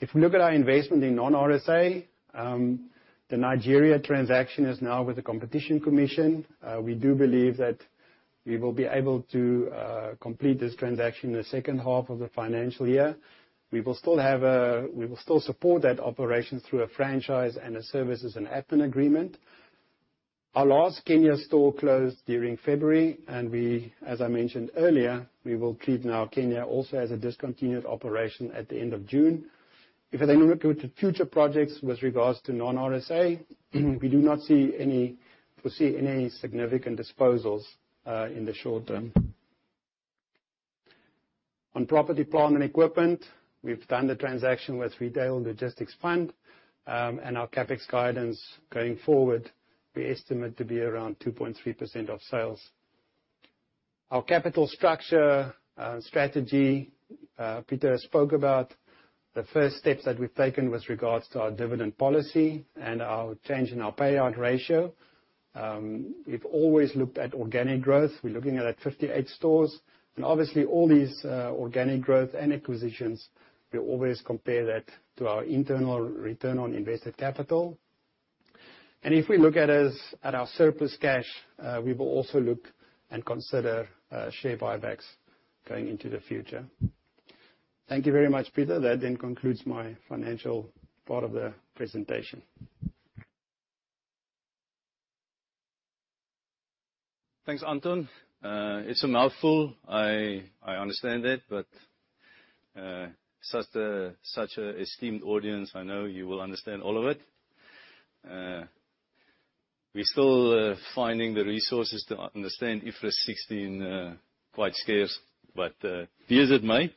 S4: If we look at our investment in non-RSA, the Nigeria transaction is now with the Competition Commission. We do believe that we will be able to complete this transaction in the second half of the financial year. We will still support that operation through a franchise and a services and admin agreement. Our last Kenya store closed during February, and as I mentioned earlier, we will keep now Kenya also as a discontinued operation at the end of June. If I then look at future projects with regards to non-RSA, we do not foresee any significant disposals in the short term. On property, plant, and equipment, we've done the transaction with Retail Logistics Fund, and our CapEx guidance going forward, we estimate to be around 2.3% of sales. Our capital structure strategy, Pieter spoke about the first steps that we've taken with regards to our dividend policy and our change in our payout ratio. We've always looked at organic growth. We're looking at 58 stores and obviously all these organic growth and acquisitions, we always compare that to our internal return on invested capital. If we look at our surplus cash, we will also look and consider share buybacks going into the future. Thank you very much, Pieter. That concludes my financial part of the presentation.
S2: Thanks, Anton. It's a mouthful. I understand that, but such an esteemed audience, I know you will understand all of it. We're still finding the resources to understand IFRS 16 quite scarce, but be as it may,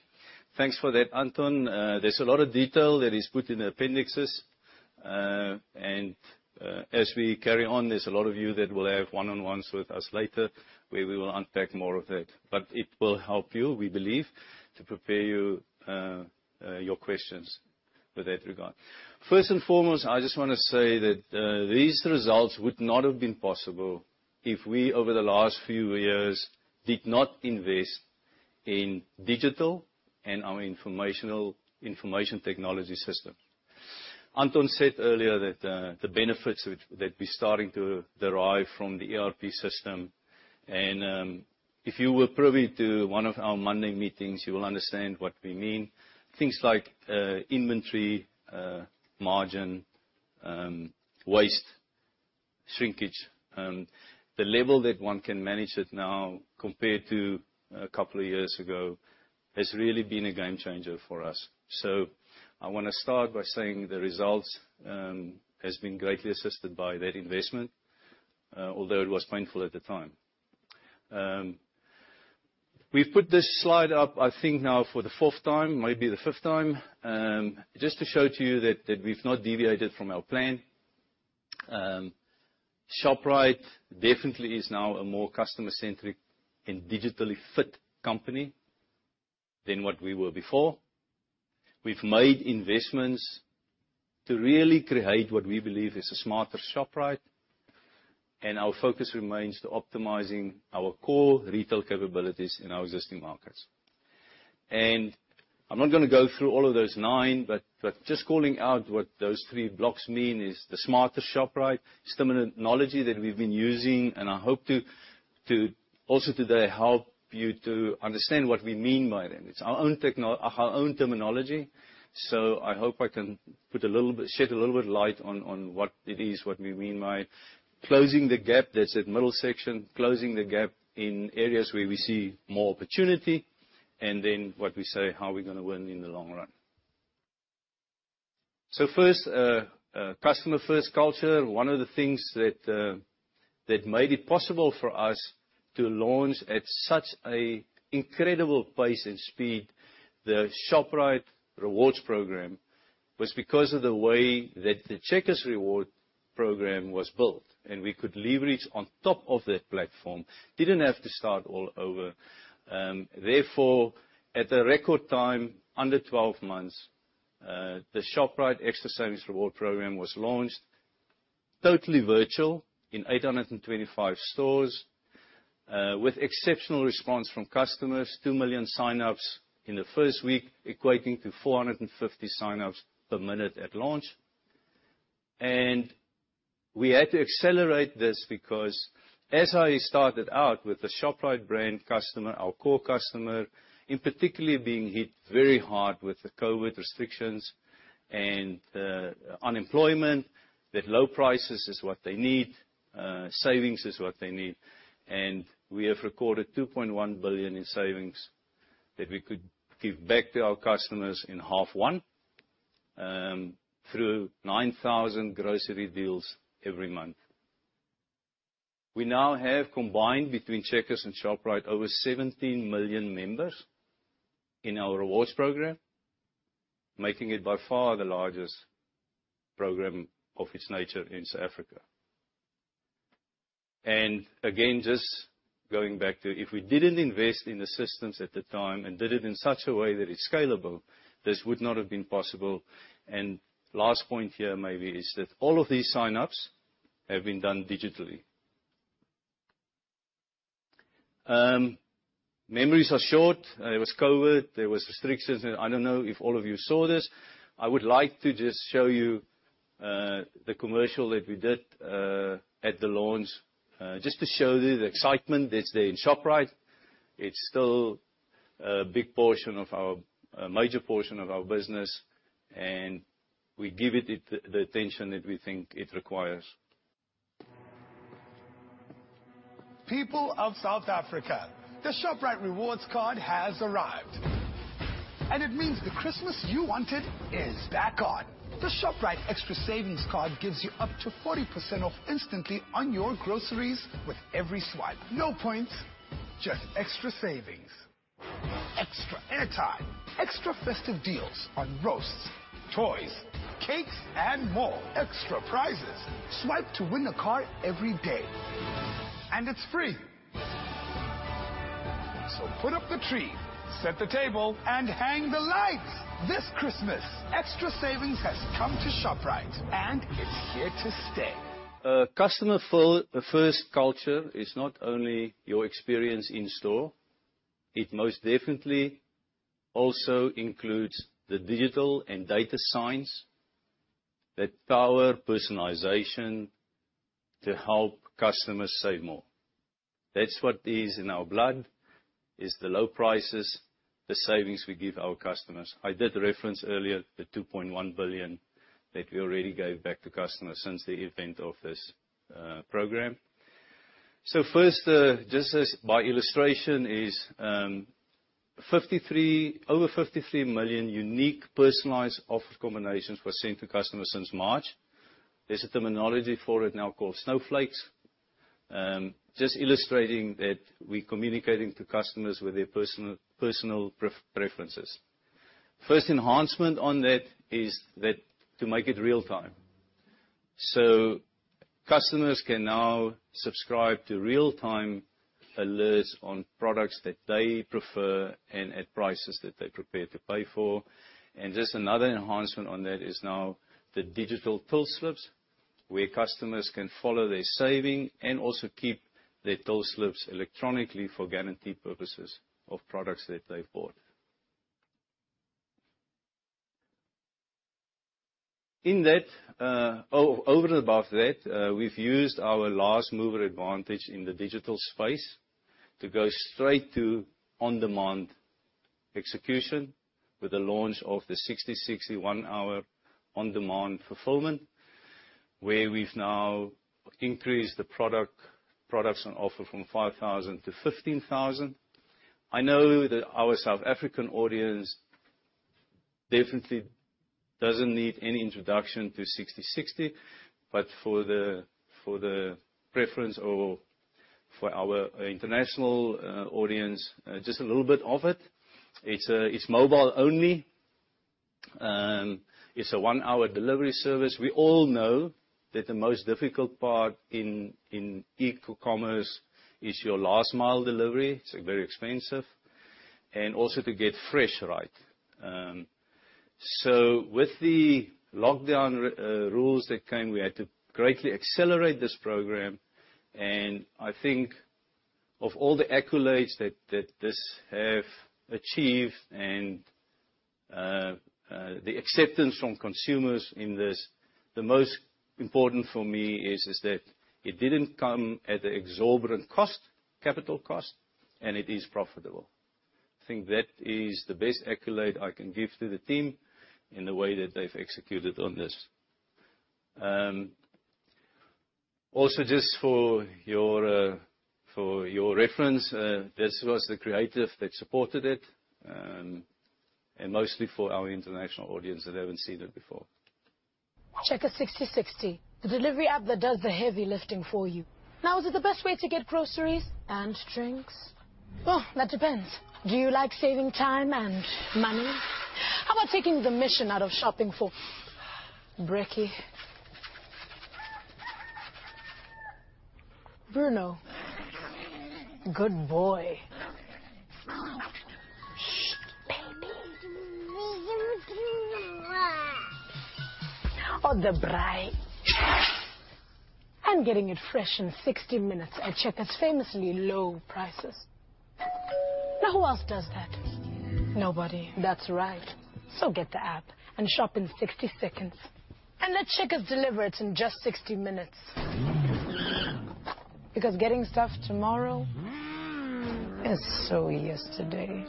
S2: thanks for that, Anton. There's a lot of detail that is put in the appendixes. As we carry on, there's a lot of you that will have one-on-ones with us later where we will unpack more of that. It will help you, we believe, to prepare your questions with that regard. First and foremost, I just want to say that these results would not have been possible if we, over the last few years, did not invest in digital and our information technology system. Anton said earlier that the benefits that we're starting to derive from the ERP system, and if you were privy to one of our Monday meetings, you will understand what we mean. Things like inventory, margin, waste, shrinkage. The level that one can manage it now compared to a couple of years ago has really been a game changer for us. I want to start by saying the results has been greatly assisted by that investment, although it was painful at the time. We've put this slide up, I think now for the fourth time, maybe the fifth time, just to show to you that we've not deviated from our plan. Shoprite definitely is now a more customer-centric and digitally fit company than what we were before. We've made investments to really create what we believe is a smarter Shoprite, and our focus remains to optimizing our core retail capabilities in our existing markets. I'm not going to go through all of those nine, but just calling out what those three blocks mean is the smarter Shoprite, some of the technology that we've been using, and I hope to also today help you to understand what we mean by them. It's our own terminology, so I hope I can shed a little bit of light on what it is, what we mean by closing the gap, that's that middle section, closing the gap in areas where we see more opportunity, and then what we say how we're going to win in the long run. First, Customer First Culture. One of the things that made it possible for us to launch at such an incredible pace and speed the Shoprite Rewards program was because of the way that the Checkers Reward program was built, and we could leverage on top of that platform. Didn't have to start all over. Therefore, at a record time, under 12 months, the Shoprite Xtra Savings Reward program was launched, totally virtual in 825 stores, with exceptional response from customers, 2 million sign-ups in the first week, equating to 450 sign-ups per minute at launch. We had to accelerate this because as I started out with the Shoprite brand customer, our core customer, in particularly being hit very hard with the COVID restrictions and the unemployment, that low prices is what they need, savings is what they need. We have recorded 2.1 billion in savings that we could give back to our customers in half one, through 9,000 grocery deals every month. We now have combined between Checkers and Shoprite over 17 million members in our rewards program, making it by far the largest program of its nature in South Africa. Again, just going back to if we didn't invest in the systems at the time and did it in such a way that it's scalable, this would not have been possible and last point here maybe is that all of these sign-ups have been done digitally. Memories are short. There was COVID. There was restrictions and I don't know if all of you saw this. I would like to just show you the commercial that we did at the launch, just to show you the excitement that's there in Shoprite. It's still a major portion of our business, and we give it the attention that we think it requires.
S3: People of South Africa, the Shoprite Rewards card has arrived. It means the Christmas you wanted is back on. The Shoprite Xtra Savings card gives you up to 40% off instantly on your groceries with every swipe. No points, just extra savings. Extra airtime, extra festive deals on roasts, toys, cakes and more. Extra prizes. Swipe to win a card every day. It's free. Put up the tree, set the table and hang the lights. This Christmas, Xtra Savings has come to Shoprite and it's here to stay.
S2: A customer-first culture is not only your experience in store, it most definitely also includes the digital and data science that power personalization to help customers save more. That's what is in our blood, is the low prices, the savings we give our customers. I did reference earlier the 2.1 billion that we already gave back to customers since the event of this program. First, just as by illustration is over 53 million unique personalized offer combinations were sent to customers since March. There's a terminology for it now called snowflakes. Just illustrating that we're communicating to customers with their personal preferences. First enhancement on that is that to make it real time. Customers can now subscribe to real-time alerts on products that they prefer and at prices that they're prepared to pay for. Just another enhancement on that is now the digital till slips. Where customers can follow their saving and also keep their till slips electronically for guarantee purposes of products that they've bought. Over and above that, we've used our last mover advantage in the digital space to go straight to on-demand execution with the launch of the Sixty60 one-hour on-demand fulfillment, where we've now increased the products on offer from 5,000 to 15,000. I know that our South African audience definitely doesn't need any introduction to Sixty60, but for the preference or for our international audience, just a little bit of it. It's mobile only. It's a one-hour delivery service. We all know that the most difficult part in e-commerce is your last mile delivery. It's very expensive. Also to get fresh right. With the lockdown rules that came, we had to greatly accelerate this program. I think of all the accolades that this have achieved and the acceptance from consumers in this, the most important for me is that it didn't come at an exorbitant capital cost, and it is profitable. I think that is the best accolade I can give to the team in the way that they've executed on this. Also, just for your reference, this was the creative that supported it, and mostly for our international audience that haven't seen it before.
S3: Checkers Sixty60. The delivery app that does the heavy lifting for you. Is it the best way to get groceries and drinks? Well, that depends. Do you like saving time and money? How about taking the mission out of shopping for brekkie? Bruno. Good boy. Shh, baby. The braai? Getting it fresh in 60 minutes at Checkers' famously low prices. Who else does that? Nobody. That's right. Get the app and shop in 60 seconds, and let Checkers deliver it in just 60 minutes. Getting stuff tomorrow is so yesterday.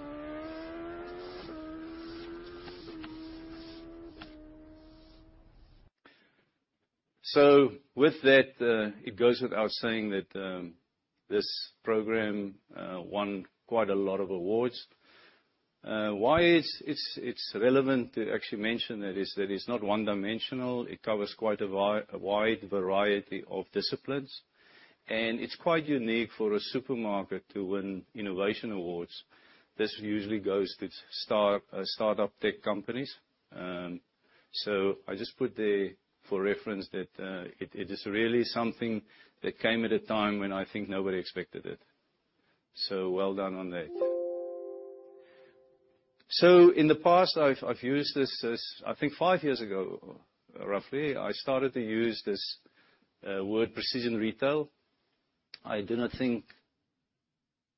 S2: With that, it goes without saying that this program won quite a lot of awards. Why it's relevant to actually mention that is that it's not one-dimensional. It covers quite a wide variety of disciplines, and it's quite unique for a supermarket to win innovation awards. This usually goes with startup tech companies. I just put there for reference that it is really something that came at a time when I think nobody expected it. Well done on that. In the past, I've used this, I think five years ago, roughly, I started to use this word precision retail. I do not think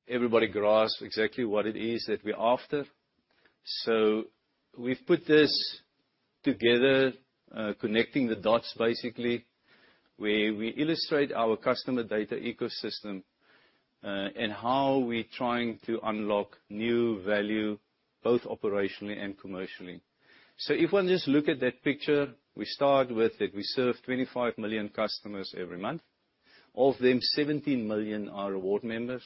S2: everybody grasps exactly what it is that we're after. We've put this together, connecting the dots basically, where we illustrate our customer data ecosystem, and how we're trying to unlock new value, both operationally and commercially. If one just look at that picture, we start with that we serve 25 million customers every month. Of them, 17 million are reward members.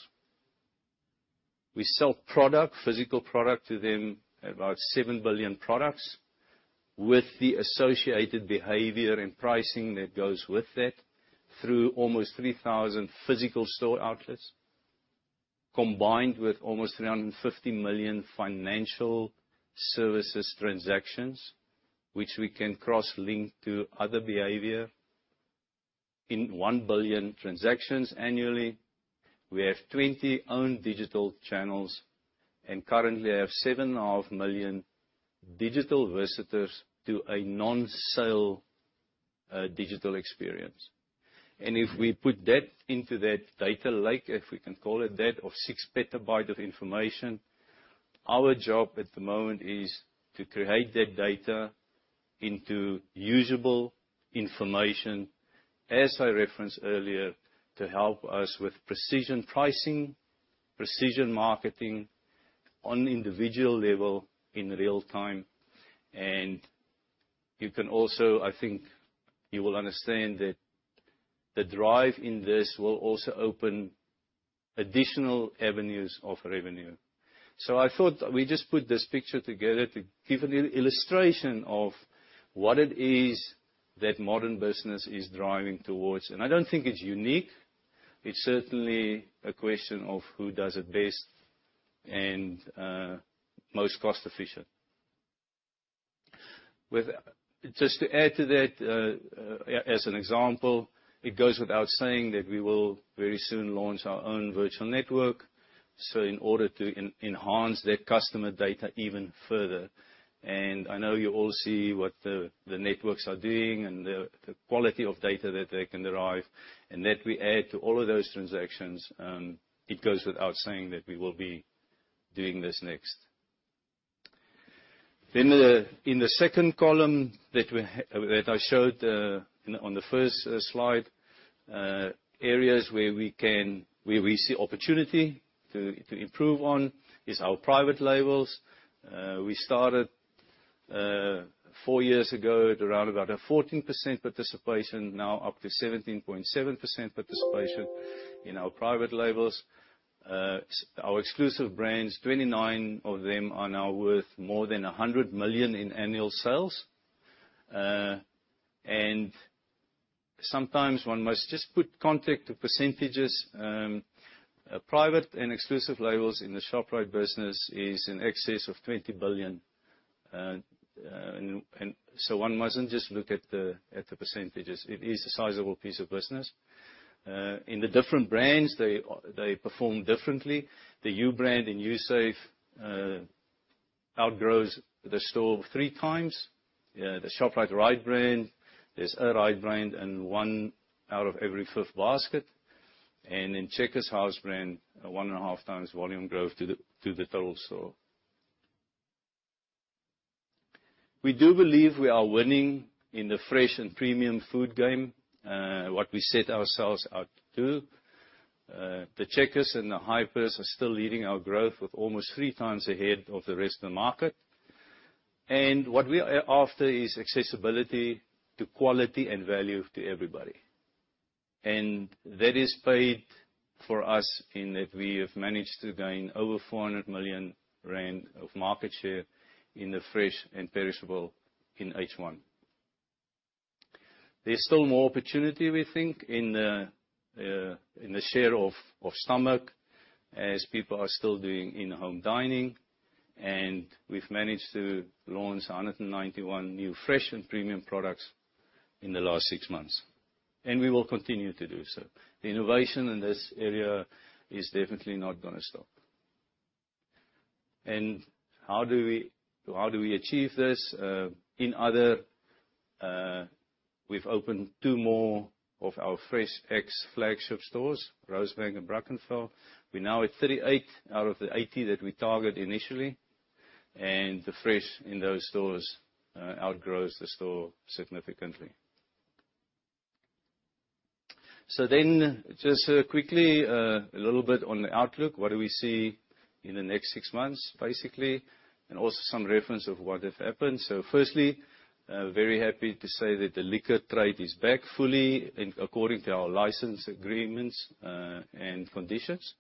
S2: We sell product, physical product, to them, about 7 billion products, with the associated behavior and pricing that goes with that through almost 3,000 physical store outlets, combined with almost 350 million financial services transactions, which we can cross-link to other behavior in 1 billion transactions annually. We have 20 own digital channels and currently have 7.5 million digital visitors to a non-sale digital experience. If we put that into that data lake, if we can call it that, of 6 petabyte of information, our job at the moment is to create that data into usable information, as I referenced earlier, to help us with precision pricing, precision marketing on individual level in real time. You can also, I think, you will understand that the drive in this will also open additional avenues of revenue. I thought we just put this picture together to give an illustration of what it is that modern business is driving towards, and I don't think it's unique. It's certainly a question of who does it best and most cost efficient. Just to add to that, as an example, it goes without saying that we will very soon launch our own virtual network, so in order to enhance that customer data even further. I know you all see what the networks are doing and the quality of data that they can derive, and that we add to all of those transactions. It goes without saying that we will be doing this next. In the second column that I showed on the first slide, areas where we see opportunity to improve on is our private labels. We started four years ago at around about a 14% participation, now up to 17.7% participation in our private labels. Our exclusive brands, 29 of them are now worth more than 100 million in annual sales. Sometimes one must just put context to percentages. Private and exclusive labels in the Shoprite business is in excess of 20 billion. One mustn't just look at the percentages. It is a sizable piece of business. In the different brands, they perform differently. The Ubrand and Usave outgrows the store three times. The Shoprite Ritebrand is a Ritebrand and one out of every fifth basket. In Checkers house brand, a 1.5 times volume growth to the total store. We do believe we are winning in the fresh and premium food game, what we set ourselves out to do. The Checkers and the Hypers are still leading our growth with almost three times ahead of the rest of the market. What we are after is accessibility to quality and value to everybody. That is paid for us in that we have managed to gain over 400 million rand of market share in the fresh and perishable in H1. There's still more opportunity, we think, in the share of stomach as people are still doing in-home dining, and we've managed to launch 191 new fresh and premium products in the last six months. We will continue to do so. The innovation in this area is definitely not going to stop. How do we achieve this? In other, we've opened two more of our FreshX flagship stores, Rosebank and Brackenfell. We're now at 38 out of the 80 that we targeted initially, and the fresh in those stores outgrows the store significantly. Just quickly, a little bit on the outlook. What do we see in the next six months, basically, and also some reference of what has happened. Firstly, very happy to say that the liquor trade is back fully according to our license agreements and conditions.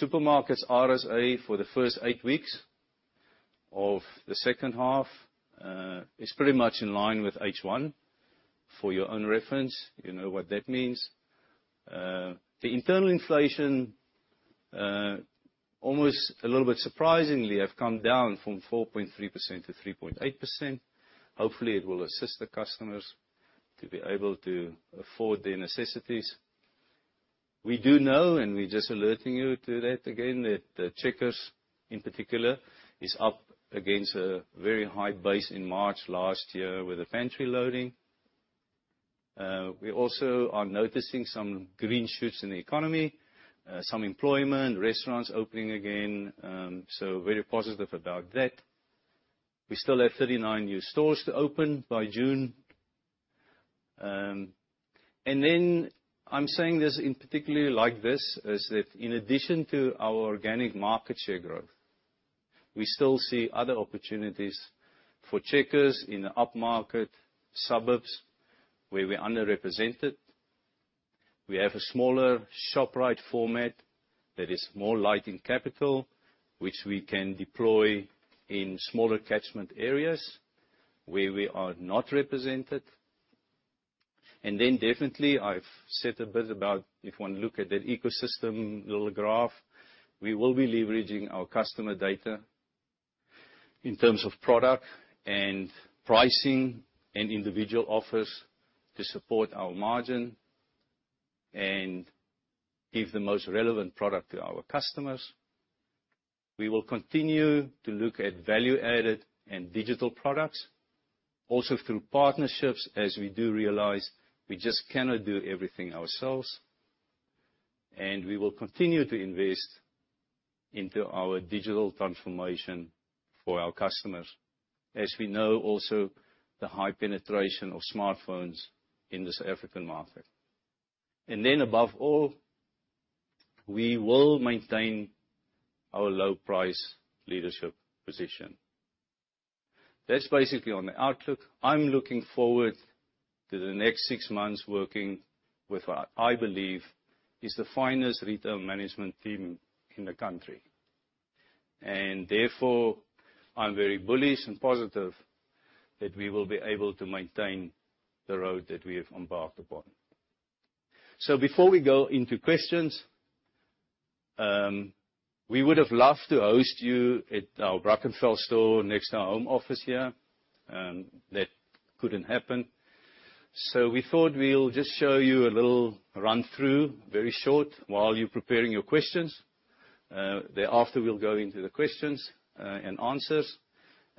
S2: Supermarkets RSA for the first eight weeks of the second half is pretty much in line with H1. For your own reference, you know what that means. The internal inflation, almost a little bit surprisingly, have come down from 4.3% to 3.8%. Hopefully, it will assist the customers to be able to afford their necessities. We do know, and we're just alerting you to that again, that Checkers in particular is up against a very high base in March last year with the pantry loading. We also are noticing some green shoots in the economy, some employment, restaurants opening again, so very positive about that. We still have 39 new stores to open by June. I'm saying this in particular like this, is that in addition to our organic market share growth, we still see other opportunities for Checkers in the upmarket suburbs where we're underrepresented. We have a smaller Shoprite format that is more light in capital, which we can deploy in smaller catchment areas where we are not represented. Definitely, I've said a bit about if one look at that ecosystem little graph, we will be leveraging our customer data in terms of product and pricing and individual offers to support our margin and give the most relevant product to our customers. We will continue to look at value-added and digital products, also through partnerships, as we do realize we just cannot do everything ourselves. We will continue to invest into our digital transformation for our customers, as we know also the high penetration of smartphones in the South African market. Above all, we will maintain our low price leadership position. That's basically on the outlook. I'm looking forward to the next six months working with what I believe is the finest retail management team in the country. Therefore, I'm very bullish and positive that we will be able to maintain the road that we have embarked upon. Before we go into questions. We would have loved to host you at our Brackenfell store next to our home office here. That couldn't happen, so we thought we'll just show you a little run-through, very short, while you're preparing your questions. Thereafter, we'll go into the questions and answers.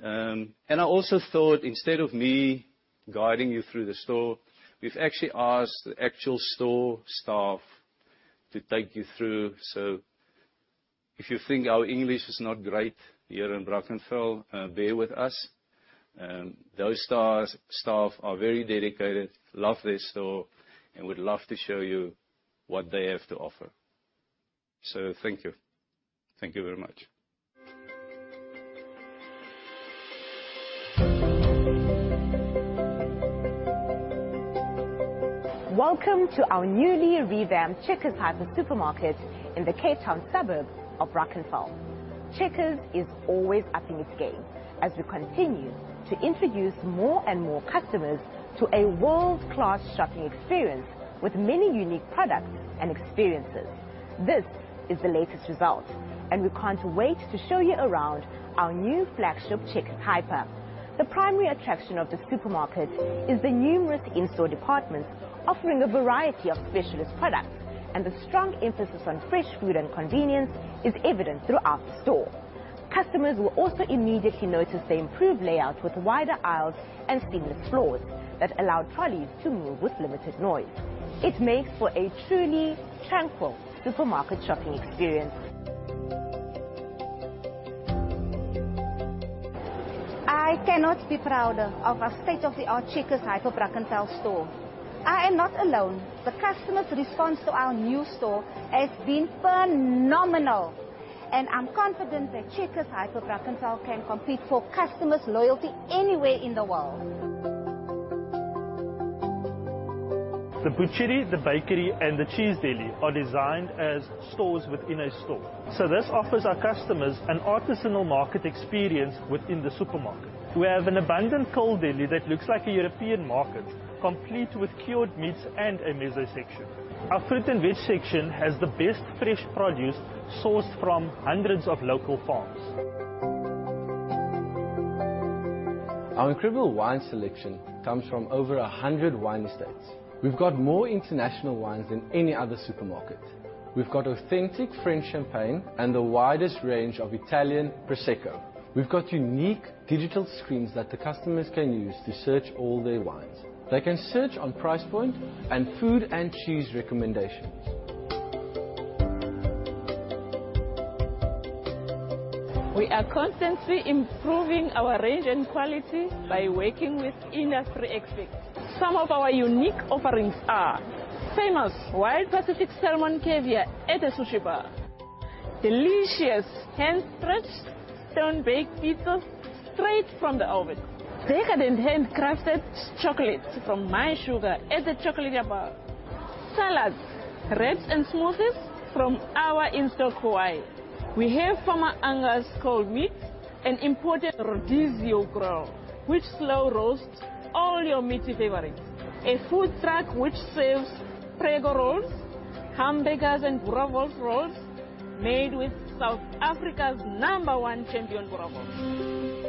S2: I also thought, instead of me guiding you through the store, we've actually asked the actual store staff to take you through. If you think our English is not great here in Brackenfell, bear with us. Those staff are very dedicated, love their store, and would love to show you what they have to offer. Thank you. Thank you very much.
S3: Welcome to our newly revamped Checkers Hyper supermarket in the Cape Town suburb of Brackenfell. Checkers is always upping its game, as we continue to introduce more and more customers to a world-class shopping experience, with many unique products and experiences. This is the latest result, and we can't wait to show you around our new flagship Checkers Hyper. The primary attraction of the supermarket is the numerous in-store departments offering a variety of specialist products, and the strong emphasis on fresh food and convenience is evident throughout the store. Customers will also immediately notice the improved layout with wider aisles and seamless floors that allow trolleys to move with limited noise. It makes for a truly tranquil supermarket shopping experience. I cannot be prouder of our state-of-the-art Checkers Hyper Brackenfell store. I am not alone. The customers' response to our new store has been phenomenal. I'm confident that Checkers Hyper Brackenfell can compete for customers' loyalty anywhere in the world. The butchery, the bakery, and the cheese deli are designed as stores within a store. This offers our customers an artisanal market experience within the supermarket. We have an abundant cold deli that looks like a European market, complete with cured meats and a mezze section. Our fruit and veg section has the best fresh produce sourced from hundreds of local farms. Our incredible wine selection comes from over 100 wine estates. We've got more international wines than any other supermarket. We've got authentic French champagne and the widest range of Italian prosecco. We've got unique digital screens that the customers can use to search all their wines. They can search on price point and food and cheese recommendations. We are constantly improving our range and quality by working with industry experts. Some of our unique offerings are famous Wild Pacific salmon caviar at the sushi bar, delicious hand-stretched stone-baked pizzas straight from the oven, decadent handcrafted chocolates from My Sugar at the chocolate bar, salads, wraps, and smoothies from our in-store Kauai. We have Farmer Angus cold meats and imported Rodizio Grill, which slow-roasts all your meaty favorites. A food truck which serves prego rolls, hamburgers, and boerewors rolls made with South Africa's number one champion boerewors.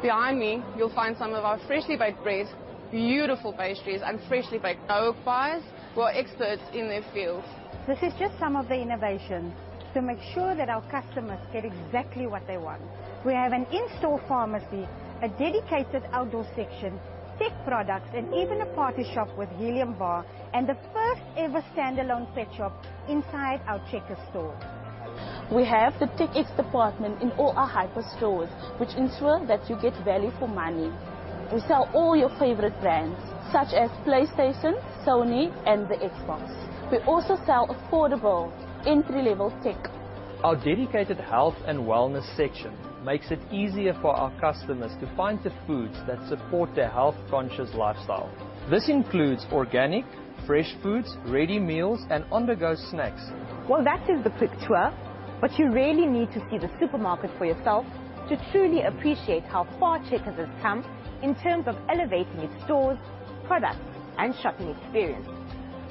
S3: Behind me, you'll find some of our freshly baked breads, beautiful pastries, and freshly baked pies. We're experts in our field. This is just some of the innovations to make sure that our customers get exactly what they want. We have an in-store pharmacy, a dedicated outdoor section, tech products, and even a party shop with helium bar, and the first-ever standalone pet shop inside our Checkers store. We have the TechX department in all our hyper stores, which ensure that you get value for money. We sell all your favorite brands, such as PlayStation, Sony, and the Xbox. We also sell affordable entry-level tech. Our dedicated health and wellness section makes it easier for our customers to find the foods that support their health-conscious lifestyle. This includes organic fresh foods, ready meals, and on-the-go snacks. Well, that is the quick tour, but you really need to see the supermarket for yourself to truly appreciate how far Checkers has come in terms of elevating its stores, products, and shopping experience.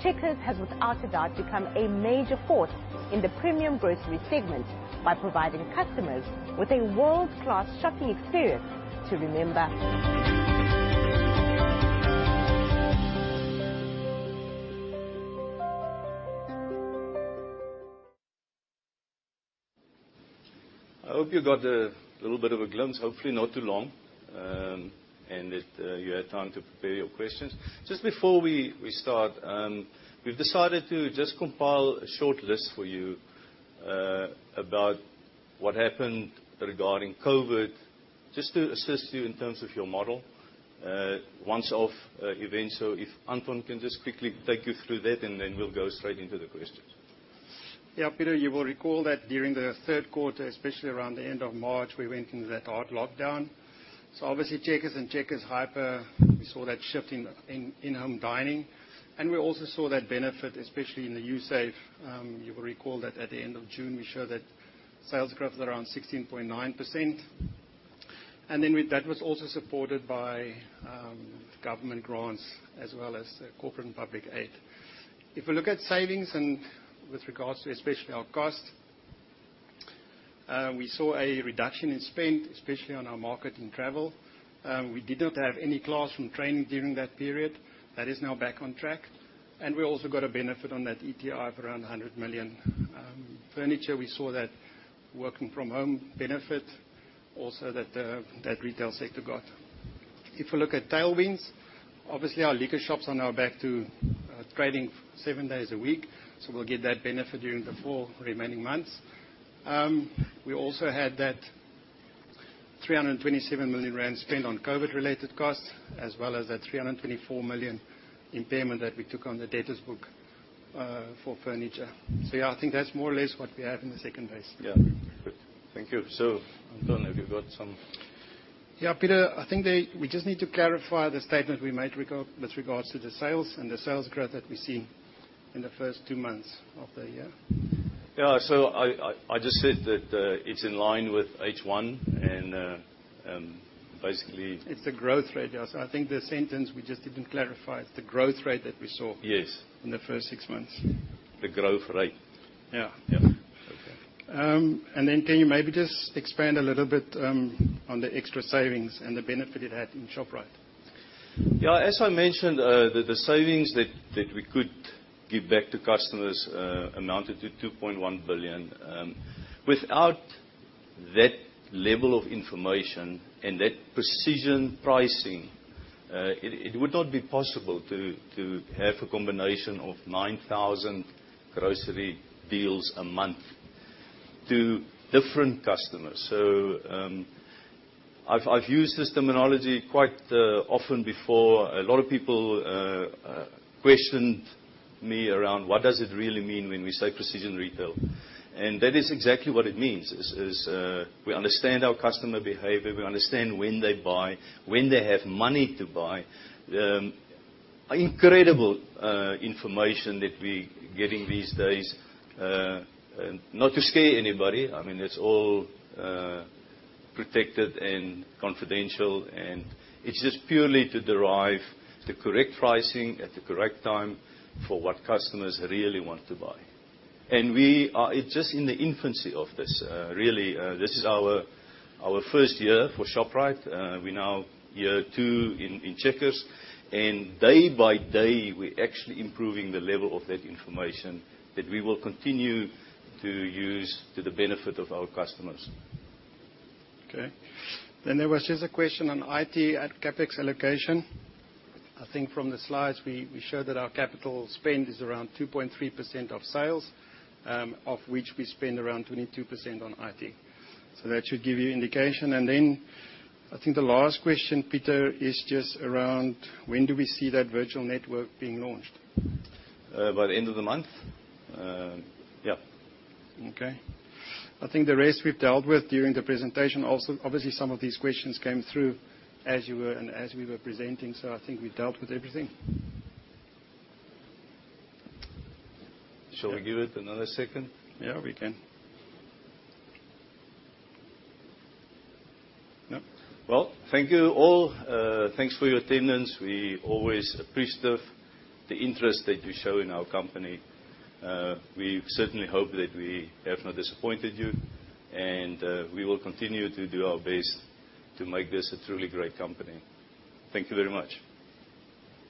S3: Checkers has, without a doubt, become a major force in the premium grocery segment by providing customers with a world-class shopping experience to remember.
S2: I hope you got a little bit of a glimpse. Hopefully not too long, and that you had time to prepare your questions. Just before we start, we've decided to just compile a short list for you about what happened regarding COVID, just to assist you in terms of your model, once-off events. If Anton de Bruyn can just quickly take you through that, and then we'll go straight into the questions.
S4: Yeah, Pieter, you will recall that during the third quarter, especially around the end of March, we went into that hard lockdown. Obviously, Checkers and Checkers Hyper, we saw that shift in in-home dining, and we also saw that benefit, especially in the Usave. You will recall that at the end of June, we showed that sales growth of around 16.9%. That was also supported by government grants, as well as corporate and public aid. If we look at savings and with regards to especially our cost, we saw a reduction in spend, especially on our market and travel. We did not have any classroom training during that period. That is now back on track. We also got a benefit on that ETI of around 100 million. Furniture, we saw that working from home benefit also that the retail sector got. If we look at tailwinds, obviously our LiquorShops are now back to trading seven days a week, so we'll get that benefit during the four remaining months. We also had that 327 million rand spent on COVID-related costs, as well as that 324 million impairment that we took on the debtors book for furniture. I think that's more or less what we have in the second base.
S2: Yeah. Good. Thank you. Anton, have you got some.
S4: Yeah, Pieter, I think we just need to clarify the statement we made with regards to the sales and the sales growth that we see in the first two months of the year.
S2: Yeah. I just said that it's in line with H1.
S4: It's the growth rate, yes. I think the sentence we just didn't clarify, it's the growth rate that we saw.
S2: Yes
S4: in the first six months.
S2: The growth rate.
S4: Yeah.
S2: Yeah. Okay.
S4: Can you maybe just expand a little bit on the Xtra Savings and the benefit it had in Shoprite?
S2: Yeah. As I mentioned, the savings that we could give back to customers amounted to 2.1 billion. Without that level of information and that precision pricing, it would not be possible to have a combination of 9,000 grocery deals a month to different customers. I've used this terminology quite often before. A lot of people questioned me around what does it really mean when we say precision retailing. That is exactly what it means, is we understand our customer behavior, we understand when they buy, when they have money to buy. Incredible information that we're getting these days. Not to scare anybody, it's all protected and confidential, and it's just purely to derive the correct pricing at the correct time for what customers really want to buy. We are just in the infancy of this, really. This is our first year for Shoprite. We're now year two in Checkers, and day by day, we're actually improving the level of that information that we will continue to use to the benefit of our customers.
S4: There was just a question on IT CapEx allocation. I think from the slides we showed that our capital spend is around 2.3% of sales, of which we spend around 22% on IT. That should give you indication. I think the last question, Pieter, is just around when do we see that virtual network being launched?
S2: By the end of the month. Yeah.
S4: Okay. I think the rest we've dealt with during the presentation. Obviously some of these questions came through as we were presenting. I think we dealt with everything.
S2: Shall we give it another second?
S4: Yeah, we can. No.
S2: Well, thank you all. Thanks for your attendance. We always appreciative the interest that you show in our company. We certainly hope that we have not disappointed you, and we will continue to do our best to make this a truly great company. Thank you very much.